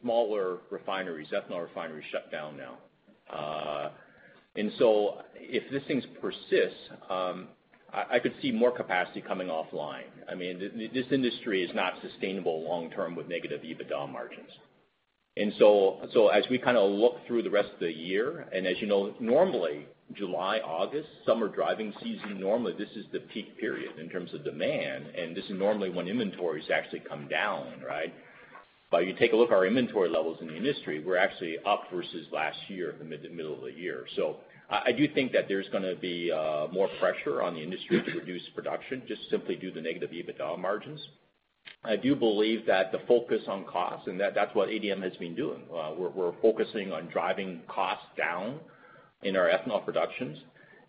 smaller refineries, ethanol refineries shut down now. If these things persist, I could see more capacity coming offline. This industry is not sustainable long term with negative EBITDA margins. As we look through the rest of the year, and as you know, normally July, August, summer driving season, normally this is the peak period in terms of demand, and this is normally when inventories actually come down, right? You take a look at our inventory levels in the industry, we're actually up versus last year in the middle of the year. I do think that there's going to be more pressure on the industry to reduce production just simply due to negative EBITDA margins. I do believe that the focus on cost, and that's what ADM has been doing. We're focusing on driving costs down. In our ethanol productions.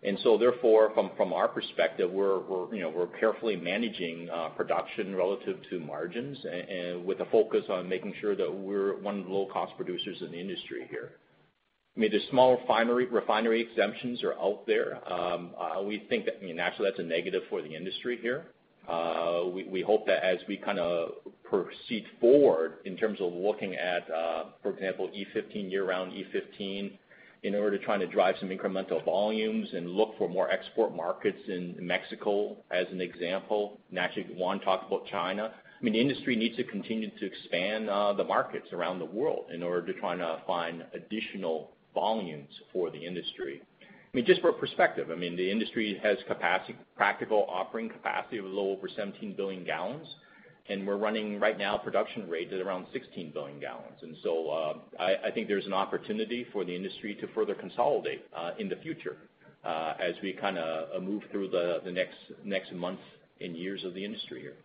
Therefore, from our perspective, we're carefully managing production relative to margins, and with a focus on making sure that we're one of the low-cost producers in the industry here. I mean, the small refinery exemptions are out there. We think that naturally that's a negative for the industry here. We hope that as we kind of proceed forward in terms of looking at, for example, E15, year-round E15, in order to try to drive some incremental volumes and look for more export markets in Mexico as an example. Actually, Juan talked about China. I mean, the industry needs to continue to expand the markets around the world in order to try to find additional volumes for the industry. I mean, just for perspective, the industry has practical offering capacity of a little over 17 billion gallons, and we're running right now production rates at around 16 billion gallons. I think there's an opportunity for the industry to further consolidate in the future as we kind of move through the next months and years of the industry here.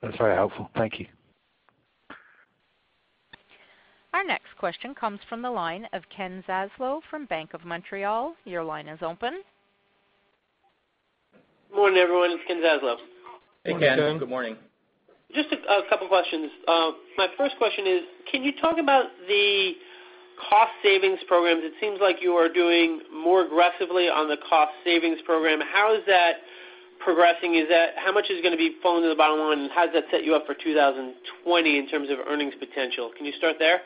That's very helpful. Thank you. Our next question comes from the line of Ken Zaslow from BMO Capital Markets. Your line is open. Morning, everyone. It's Ken Zaslow. Hey, Ken. Good morning. Morning, Ken. Just a couple of questions. My first question is, can you talk about the cost savings programs? It seems like you are doing more aggressively on the cost savings program. How is that progressing? How much is going to be falling to the bottom line, and how does that set you up for 2020 in terms of earnings potential? Can you start there?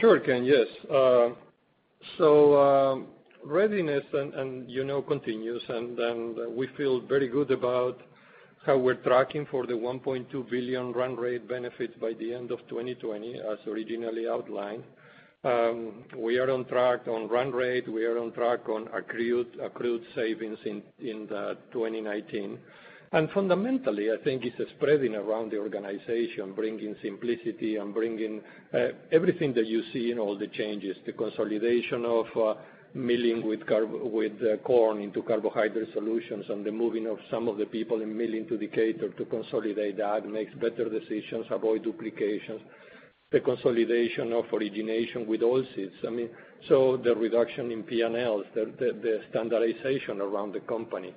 Sure, Ken. Yes. Readiness continues, and we feel very good about how we're tracking for the $1.2 billion run rate benefits by the end of 2020 as originally outlined. We are on track on run rate. We are on track on accrued savings in 2019. Fundamentally, I think it's spreading around the organization, bringing simplicity and bringing everything that you see in all the changes, the consolidation of milling with corn into Carbohydrate Solutions and the moving of some of the people in milling to Decatur to consolidate that makes better decisions, avoid duplications. The consolidation of origination with Oilseeds. I mean, so the reduction in P&Ls, the standardization around the company.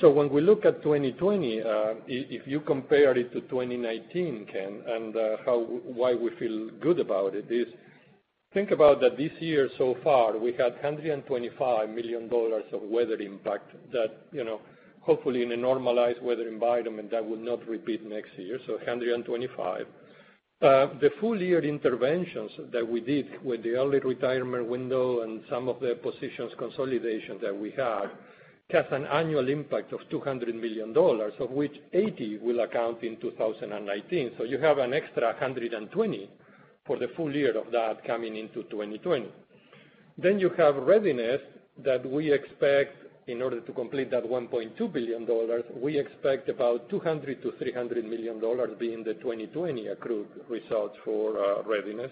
When we look at 2020, if you compare it to 2019, Ken, and why we feel good about it is, think about that this year so far, we had $125 million of weather impact that hopefully in a normalized weather environment, that will not repeat next year. $125. The full-year interventions that we did with the early retirement window and some of the positions consolidation that we had has an annual impact of $200 million, of which $80 will account in 2019. You have an extra $120 for the full year of that coming into 2020. You have Readiness that we expect in order to complete that $1.2 billion, we expect about $200 million-$300 million be in the 2020 accrued results for Readiness.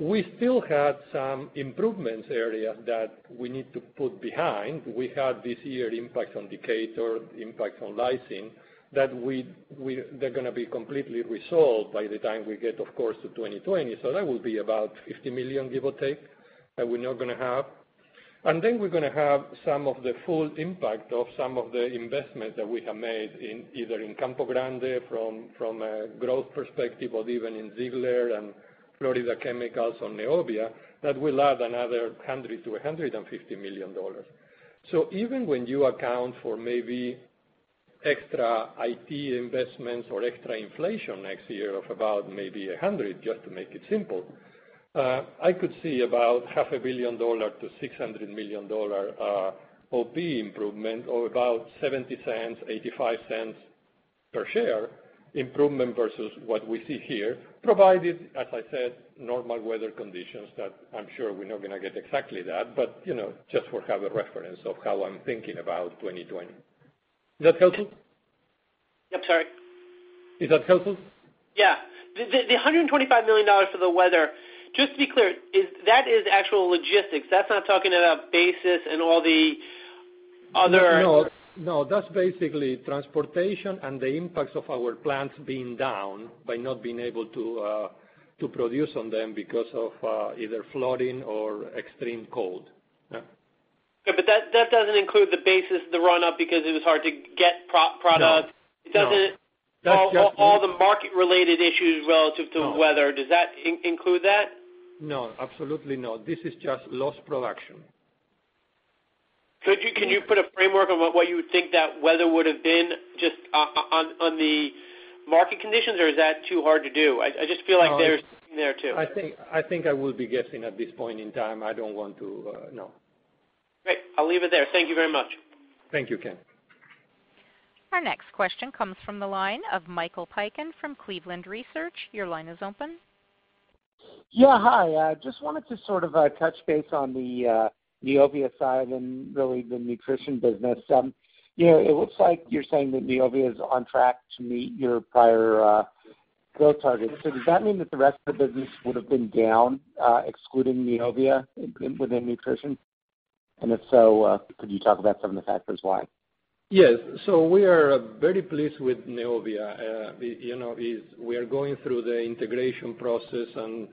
We still have some improvements area that we need to put behind. We had this year impact on Decatur, impact on lysine, that they're going to be completely resolved by the time we get, of course, to 2020. That will be about $50 million, give or take, that we're now going to have. We're going to have some of the full impact of some of the investments that we have made either in Campo Grande from a growth perspective or even in Ziegler and Florida Chemical on Neovia, that will add another $100 million-$150 million. Even when you account for maybe extra IT investments or extra inflation next year of about maybe $100, just to make it simple, I could see about half a billion dollar to $600 million OP improvement or about $0.70, $0.85 per share improvement versus what we see here, provided, as I said, normal weather conditions that I'm sure we're not going to get exactly that, but just for have a reference of how I'm thinking about 2020. Is that helpful? I'm sorry? Is that helpful? Yeah. The $125 million for the weather, just to be clear, that is actual logistics. That's not talking about basis and all the other- No. That's basically transportation and the impacts of our plants being down by not being able to produce on them because of either flooding or extreme cold. Yeah. Yeah, that doesn't include the basis, the run-up because it was hard to get products. No. It doesn't- That's All the market-related issues relative to weather. No. Does that include that? No, absolutely not. This is just lost production. Could you put a framework on what you think that weather would've been just on the market conditions, or is that too hard to do? I just feel like there's something there, too. I think I will be guessing at this point in time. I don't want to. No. Great. I'll leave it there. Thank you very much. Thank you, Ken. Our next question comes from the line of Michael Piken from Cleveland Research. Your line is open. Yeah, hi. Just wanted to sort of touch base on the Neovia side and really the nutrition business. It looks like you're saying that Neovia is on track to meet your prior growth targets. Does that mean that the rest of the business would have been down, excluding Neovia within nutrition? If so, could you talk about some of the factors why? Yes. We are very pleased with Neovia. We are going through the integration process and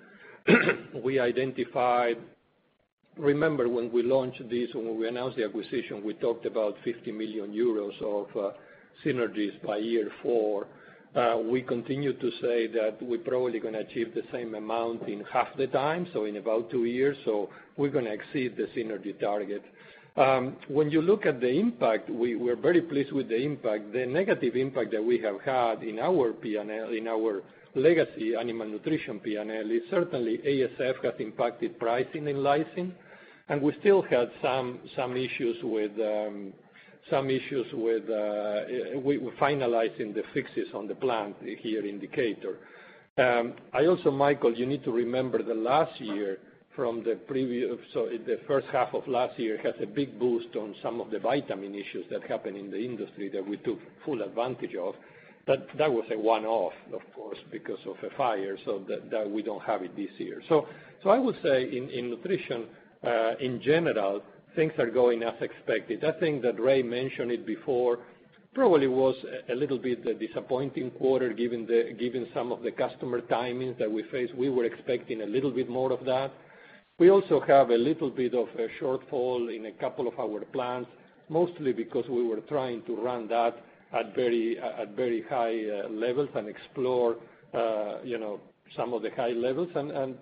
we identified Remember when we launched this, when we announced the acquisition, we talked about 50 million euros of synergies by year 4. We continue to say that we're probably going to achieve the same amount in half the time, so in about 2 years. We're going to exceed the synergy target. When you look at the impact, we're very pleased with the impact. The negative impact that we have had in our legacy animal nutrition P&L is certainly ASF has impacted pricing in lysine, and we still had some issues with finalizing the fixes on the plant here in Decatur. Michael, you need to remember the first half of last year has a big boost on some of the vitamin issues that happened in the industry that we took full advantage of. That was a one-off, of course, because of a fire, so that we don't have it this year. I would say in nutrition, in general, things are going as expected. That thing that Ray mentioned it before probably was a little bit disappointing quarter given some of the customer timings that we faced. We were expecting a little bit more of that. We also have a little bit of a shortfall in a couple of our plants, mostly because we were trying to run that at very high levels and explore some of the high levels, and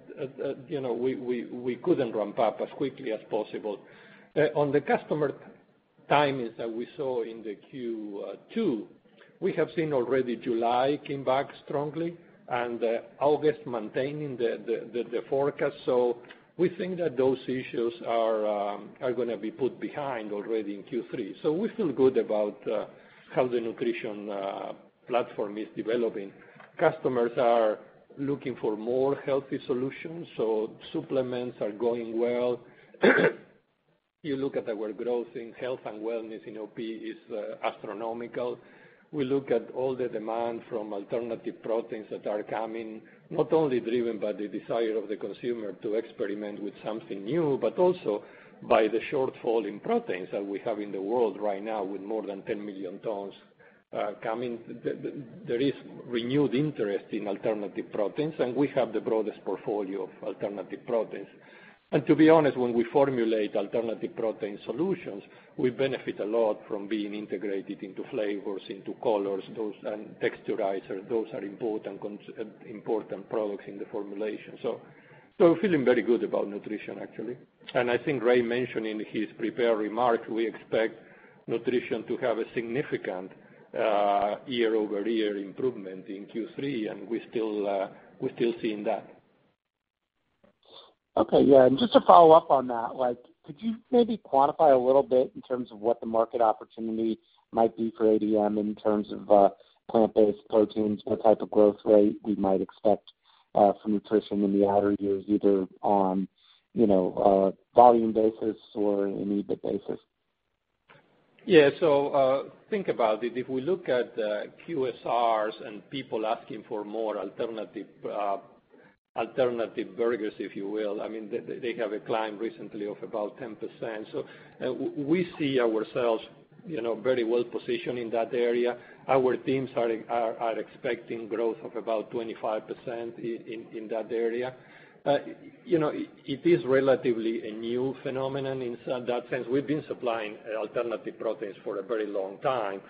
we couldn't ramp up as quickly as possible. On the customer timings that we saw in the Q2, we have seen already July came back strongly and August maintaining the forecast. We think that those issues are going to be put behind already in Q3. We feel good about how the nutrition platform is developing. Customers are looking for more healthy solutions, so supplements are going well. You look at our growth in health and wellness in OP is astronomical. We look at all the demand from alternative proteins that are coming, not only driven by the desire of the consumer to experiment with something new, but also by the shortfall in proteins that we have in the world right now with more than 10 million tons coming. There is renewed interest in alternative proteins, and we have the broadest portfolio of alternative proteins. To be honest, when we formulate alternative protein solutions, we benefit a lot from being integrated into flavors, into colors, and texturizer. Those are important products in the formulation. Feeling very good about nutrition, actually. I think Ray mentioned in his prepared remarks, we expect nutrition to have a significant year-over-year improvement in Q3, and we're still seeing that. Okay, yeah. Just to follow up on that, could you maybe quantify a little bit in terms of what the market opportunity might be for ADM in terms of plant-based proteins? What type of growth rate we might expect from nutrition in the outer years, either on volume basis or an EBIT basis? Think about it. If we look at QSRs and people asking for more alternative burgers, if you will, they have a climb recently of about 10%. We see ourselves very well positioned in that area. Our teams are expecting growth of about 25% in that area. It is relatively a new phenomenon in that sense. We've been supplying alternative proteins for a very long time.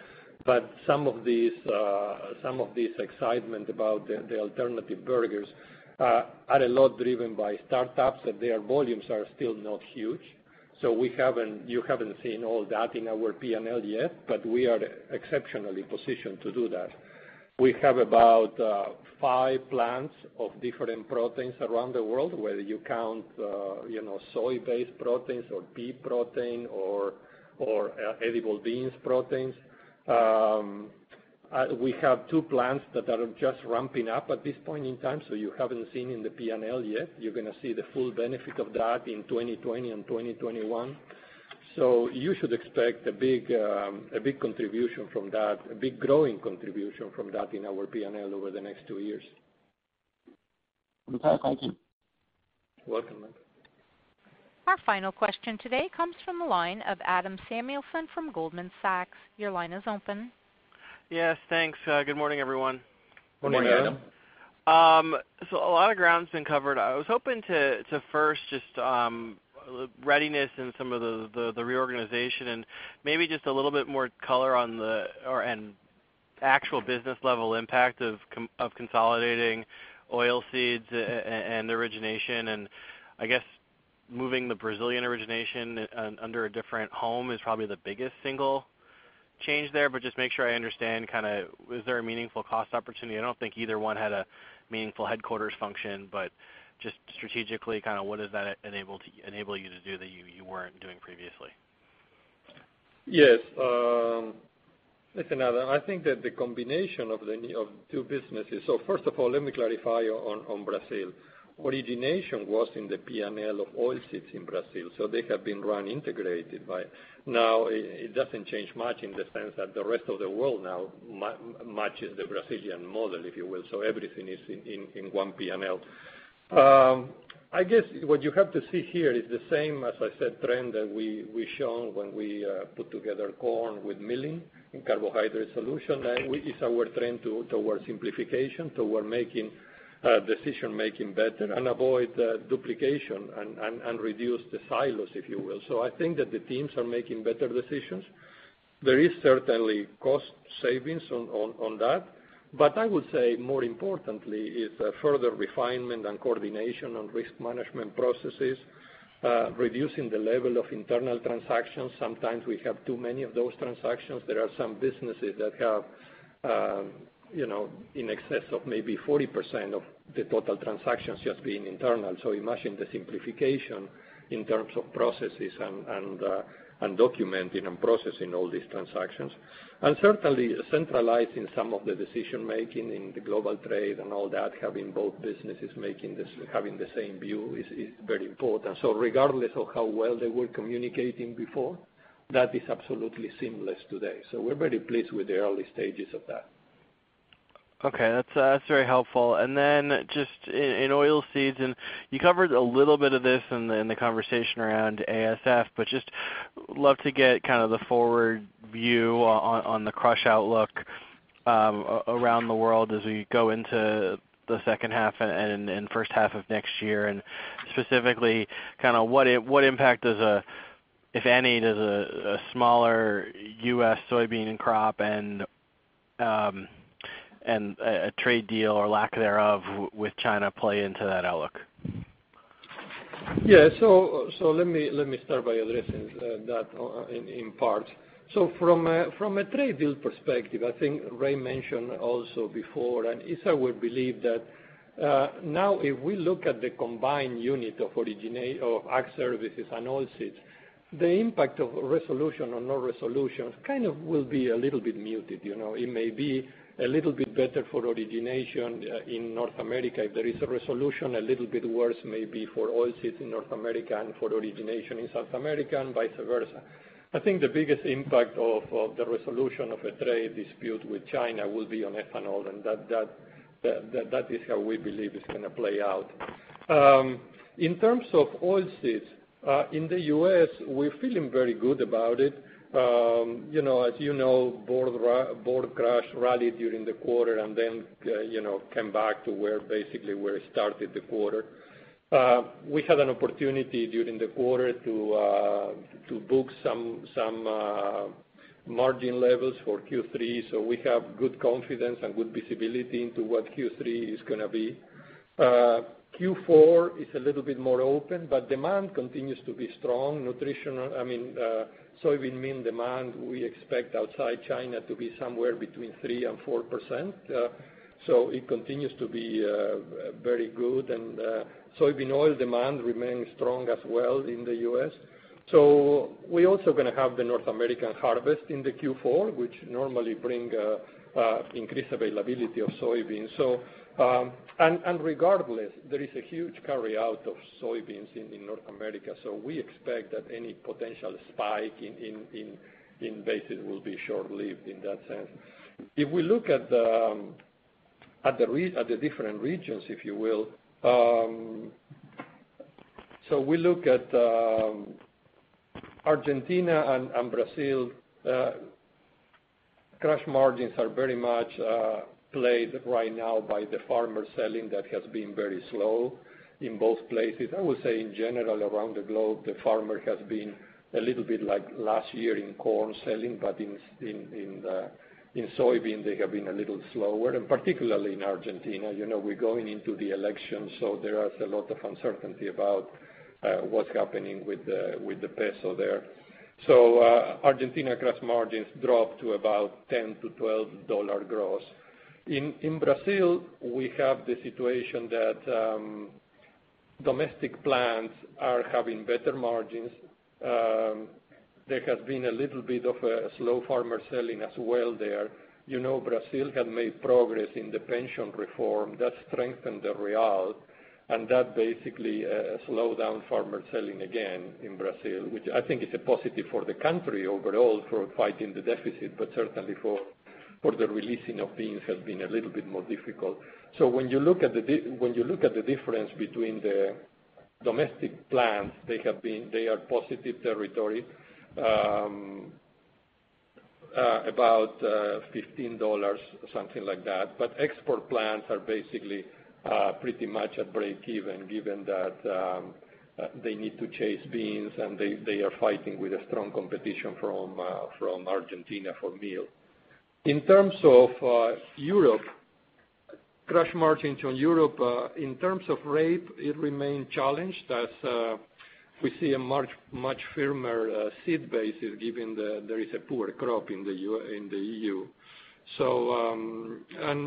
Some of this excitement about the alternative burgers are a lot driven by startups, and their volumes are still not huge. You haven't seen all that in our P&L yet, but we are exceptionally positioned to do that. We have about five plants of different proteins around the world, whether you count soy-based proteins or pea protein or edible beans proteins. We have two plants that are just ramping up at this point in time, so you haven't seen in the P&L yet. You're going to see the full benefit of that in 2020 and 2021. You should expect a big growing contribution from that in our P&L over the next two years. Okay. Thank you. You're welcome. Our final question today comes from the line of Adam Samuelson from Goldman Sachs. Your line is open. Yes, thanks. Good morning, everyone. Morning, Adam. Good morning. A lot of ground's been covered. I was hoping to first just, Readiness and some of the reorganization, and maybe just a little bit more color on the actual business level impact of consolidating Oilseeds and origination. I guess moving the Brazilian origination under a different home is probably the biggest single change there. Just make sure I understand, was there a meaningful cost opportunity? I don't think either one had a meaningful headquarters function, but just strategically, what does that enable you to do that you weren't doing previously? Yes. Listen, Adam, I think that the combination of two businesses. First of all, let me clarify on Brazil. Origination was in the P&L of Oilseeds in Brazil, so they have been run integrated. Now, it doesn't change much in the sense that the rest of the world now matches the Brazilian model, if you will. Everything is in one P&L. I guess what you have to see here is the same, as I said, trend that we've shown when we put together corn with milling in Carbohydrate Solutions. It's our trend towards simplification, toward decision making better, and avoid duplication and reduce the silos, if you will. I think that the teams are making better decisions. There is certainly cost savings on that. I would say more importantly is further refinement and coordination on risk management processes, reducing the level of internal transactions. Sometimes we have too many of those transactions. There are some businesses that have in excess of maybe 40% of the total transactions just being internal. Imagine the simplification in terms of processes and documenting and processing all these transactions. Certainly centralizing some of the decision making in the global trade and all that, having both businesses having the same view is very important. Regardless of how well they were communicating before, that is absolutely seamless today. We're very pleased with the early stages of that. Okay. That's very helpful. Then just in oilseeds, and you covered a little bit of this in the conversation around ASF, but just love to get kind of the forward view on the crush outlook around the world as we go into the second half and first half of next year. Specifically, what impact, if any, does a smaller U.S. soybean crop and a trade deal or lack thereof with China play into that outlook? Yeah. Let me start by addressing that in parts. From a trade deal perspective, I think Ray mentioned also before, and it's our belief that, now if we look at the combined unit of Ag Services and Oilseeds, the impact of resolution or no resolution kind of will be a little bit muted. It may be a little bit better for origination in North America if there is a resolution, a little bit worse maybe for Oilseeds in North America and for origination in South America, and vice versa. I think the biggest impact of the resolution of a trade dispute with China will be on ethanol, and that is how we believe it's going to play out. In terms of Oilseeds, in the U.S., we're feeling very good about it. As you know, board crush rallied during the quarter then came back to where basically where it started the quarter. We had an opportunity during the quarter to book some margin levels for Q3. We have good confidence and good visibility into what Q3 is going to be. Q4 is a little bit more open. Demand continues to be strong. Soybean meal demand we expect outside China to be somewhere between 3% and 4%. It continues to be very good. Soybean oil demand remains strong as well in the U.S. We're also going to have the North American harvest in the Q4, which normally bring increased availability of soybeans. Regardless, there is a huge carryout of soybeans in North America. We expect that any potential spike in basis will be short-lived in that sense. If we look at the different regions, if you will. We look at Argentina and Brazil. Crush margins are very much played right now by the farmer selling that has been very slow in both places. I would say in general around the globe, the farmer has been a little bit like last year in corn selling. In soybean, they have been a little slower, and particularly in Argentina. We're going into the election, so there is a lot of uncertainty about what's happening with the peso there. Argentina crush margins dropped to about $10-$12 gross. In Brazil, we have the situation that domestic plants are having better margins. There has been a little bit of a slow farmer selling as well there. Brazil had made progress in the pension reform that strengthened the real, that basically slowed down farmer selling again in Brazil, which I think is a positive for the country overall for fighting the deficit, but certainly for the releasing of beans has been a little bit more difficult. When you look at the difference between the domestic plants, they are positive territory, about $15, something like that. Export plants are basically pretty much at break even, given that they need to chase beans and they are fighting with a strong competition from Argentina for meal. In terms of Europe, crush margins on Europe, in terms of rape, it remained challenged as we see a much firmer seed basis given there is a poor crop in the EU.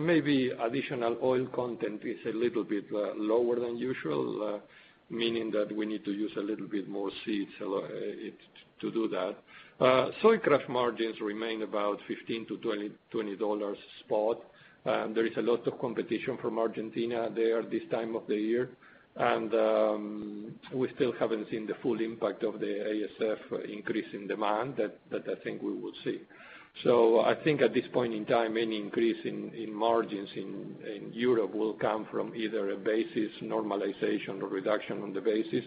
maybe additional oil content is a little bit lower than usual, meaning that we need to use a little bit more seeds to do that. Soy crush margins remain about $15-$20 spot. There is a lot of competition from Argentina there this time of the year. we still haven't seen the full impact of the ASF increase in demand that I think we will see. I think at this point in time, any increase in margins in Europe will come from either a basis normalization or reduction on the basis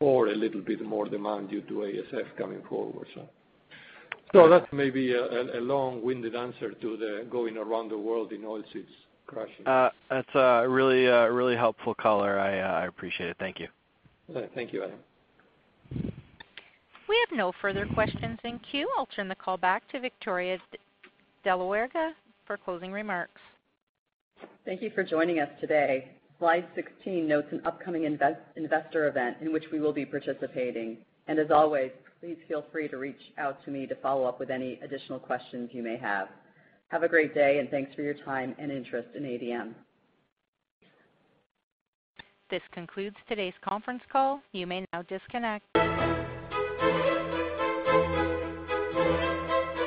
or a little bit more demand due to ASF coming forward. that's maybe a long-winded answer to the going around the world in Oilseeds crushing. That's a really helpful color. I appreciate it. Thank you. Thank you, Adam. We have no further questions in queue. I'll turn the call back to Victoria de la Huerga for closing remarks. Thank you for joining us today. Slide 16 notes an upcoming investor event in which we will be participating. As always, please feel free to reach out to me to follow up with any additional questions you may have. Have a great day. Thanks for your time and interest in ADM. This concludes today's conference call. You may now disconnect.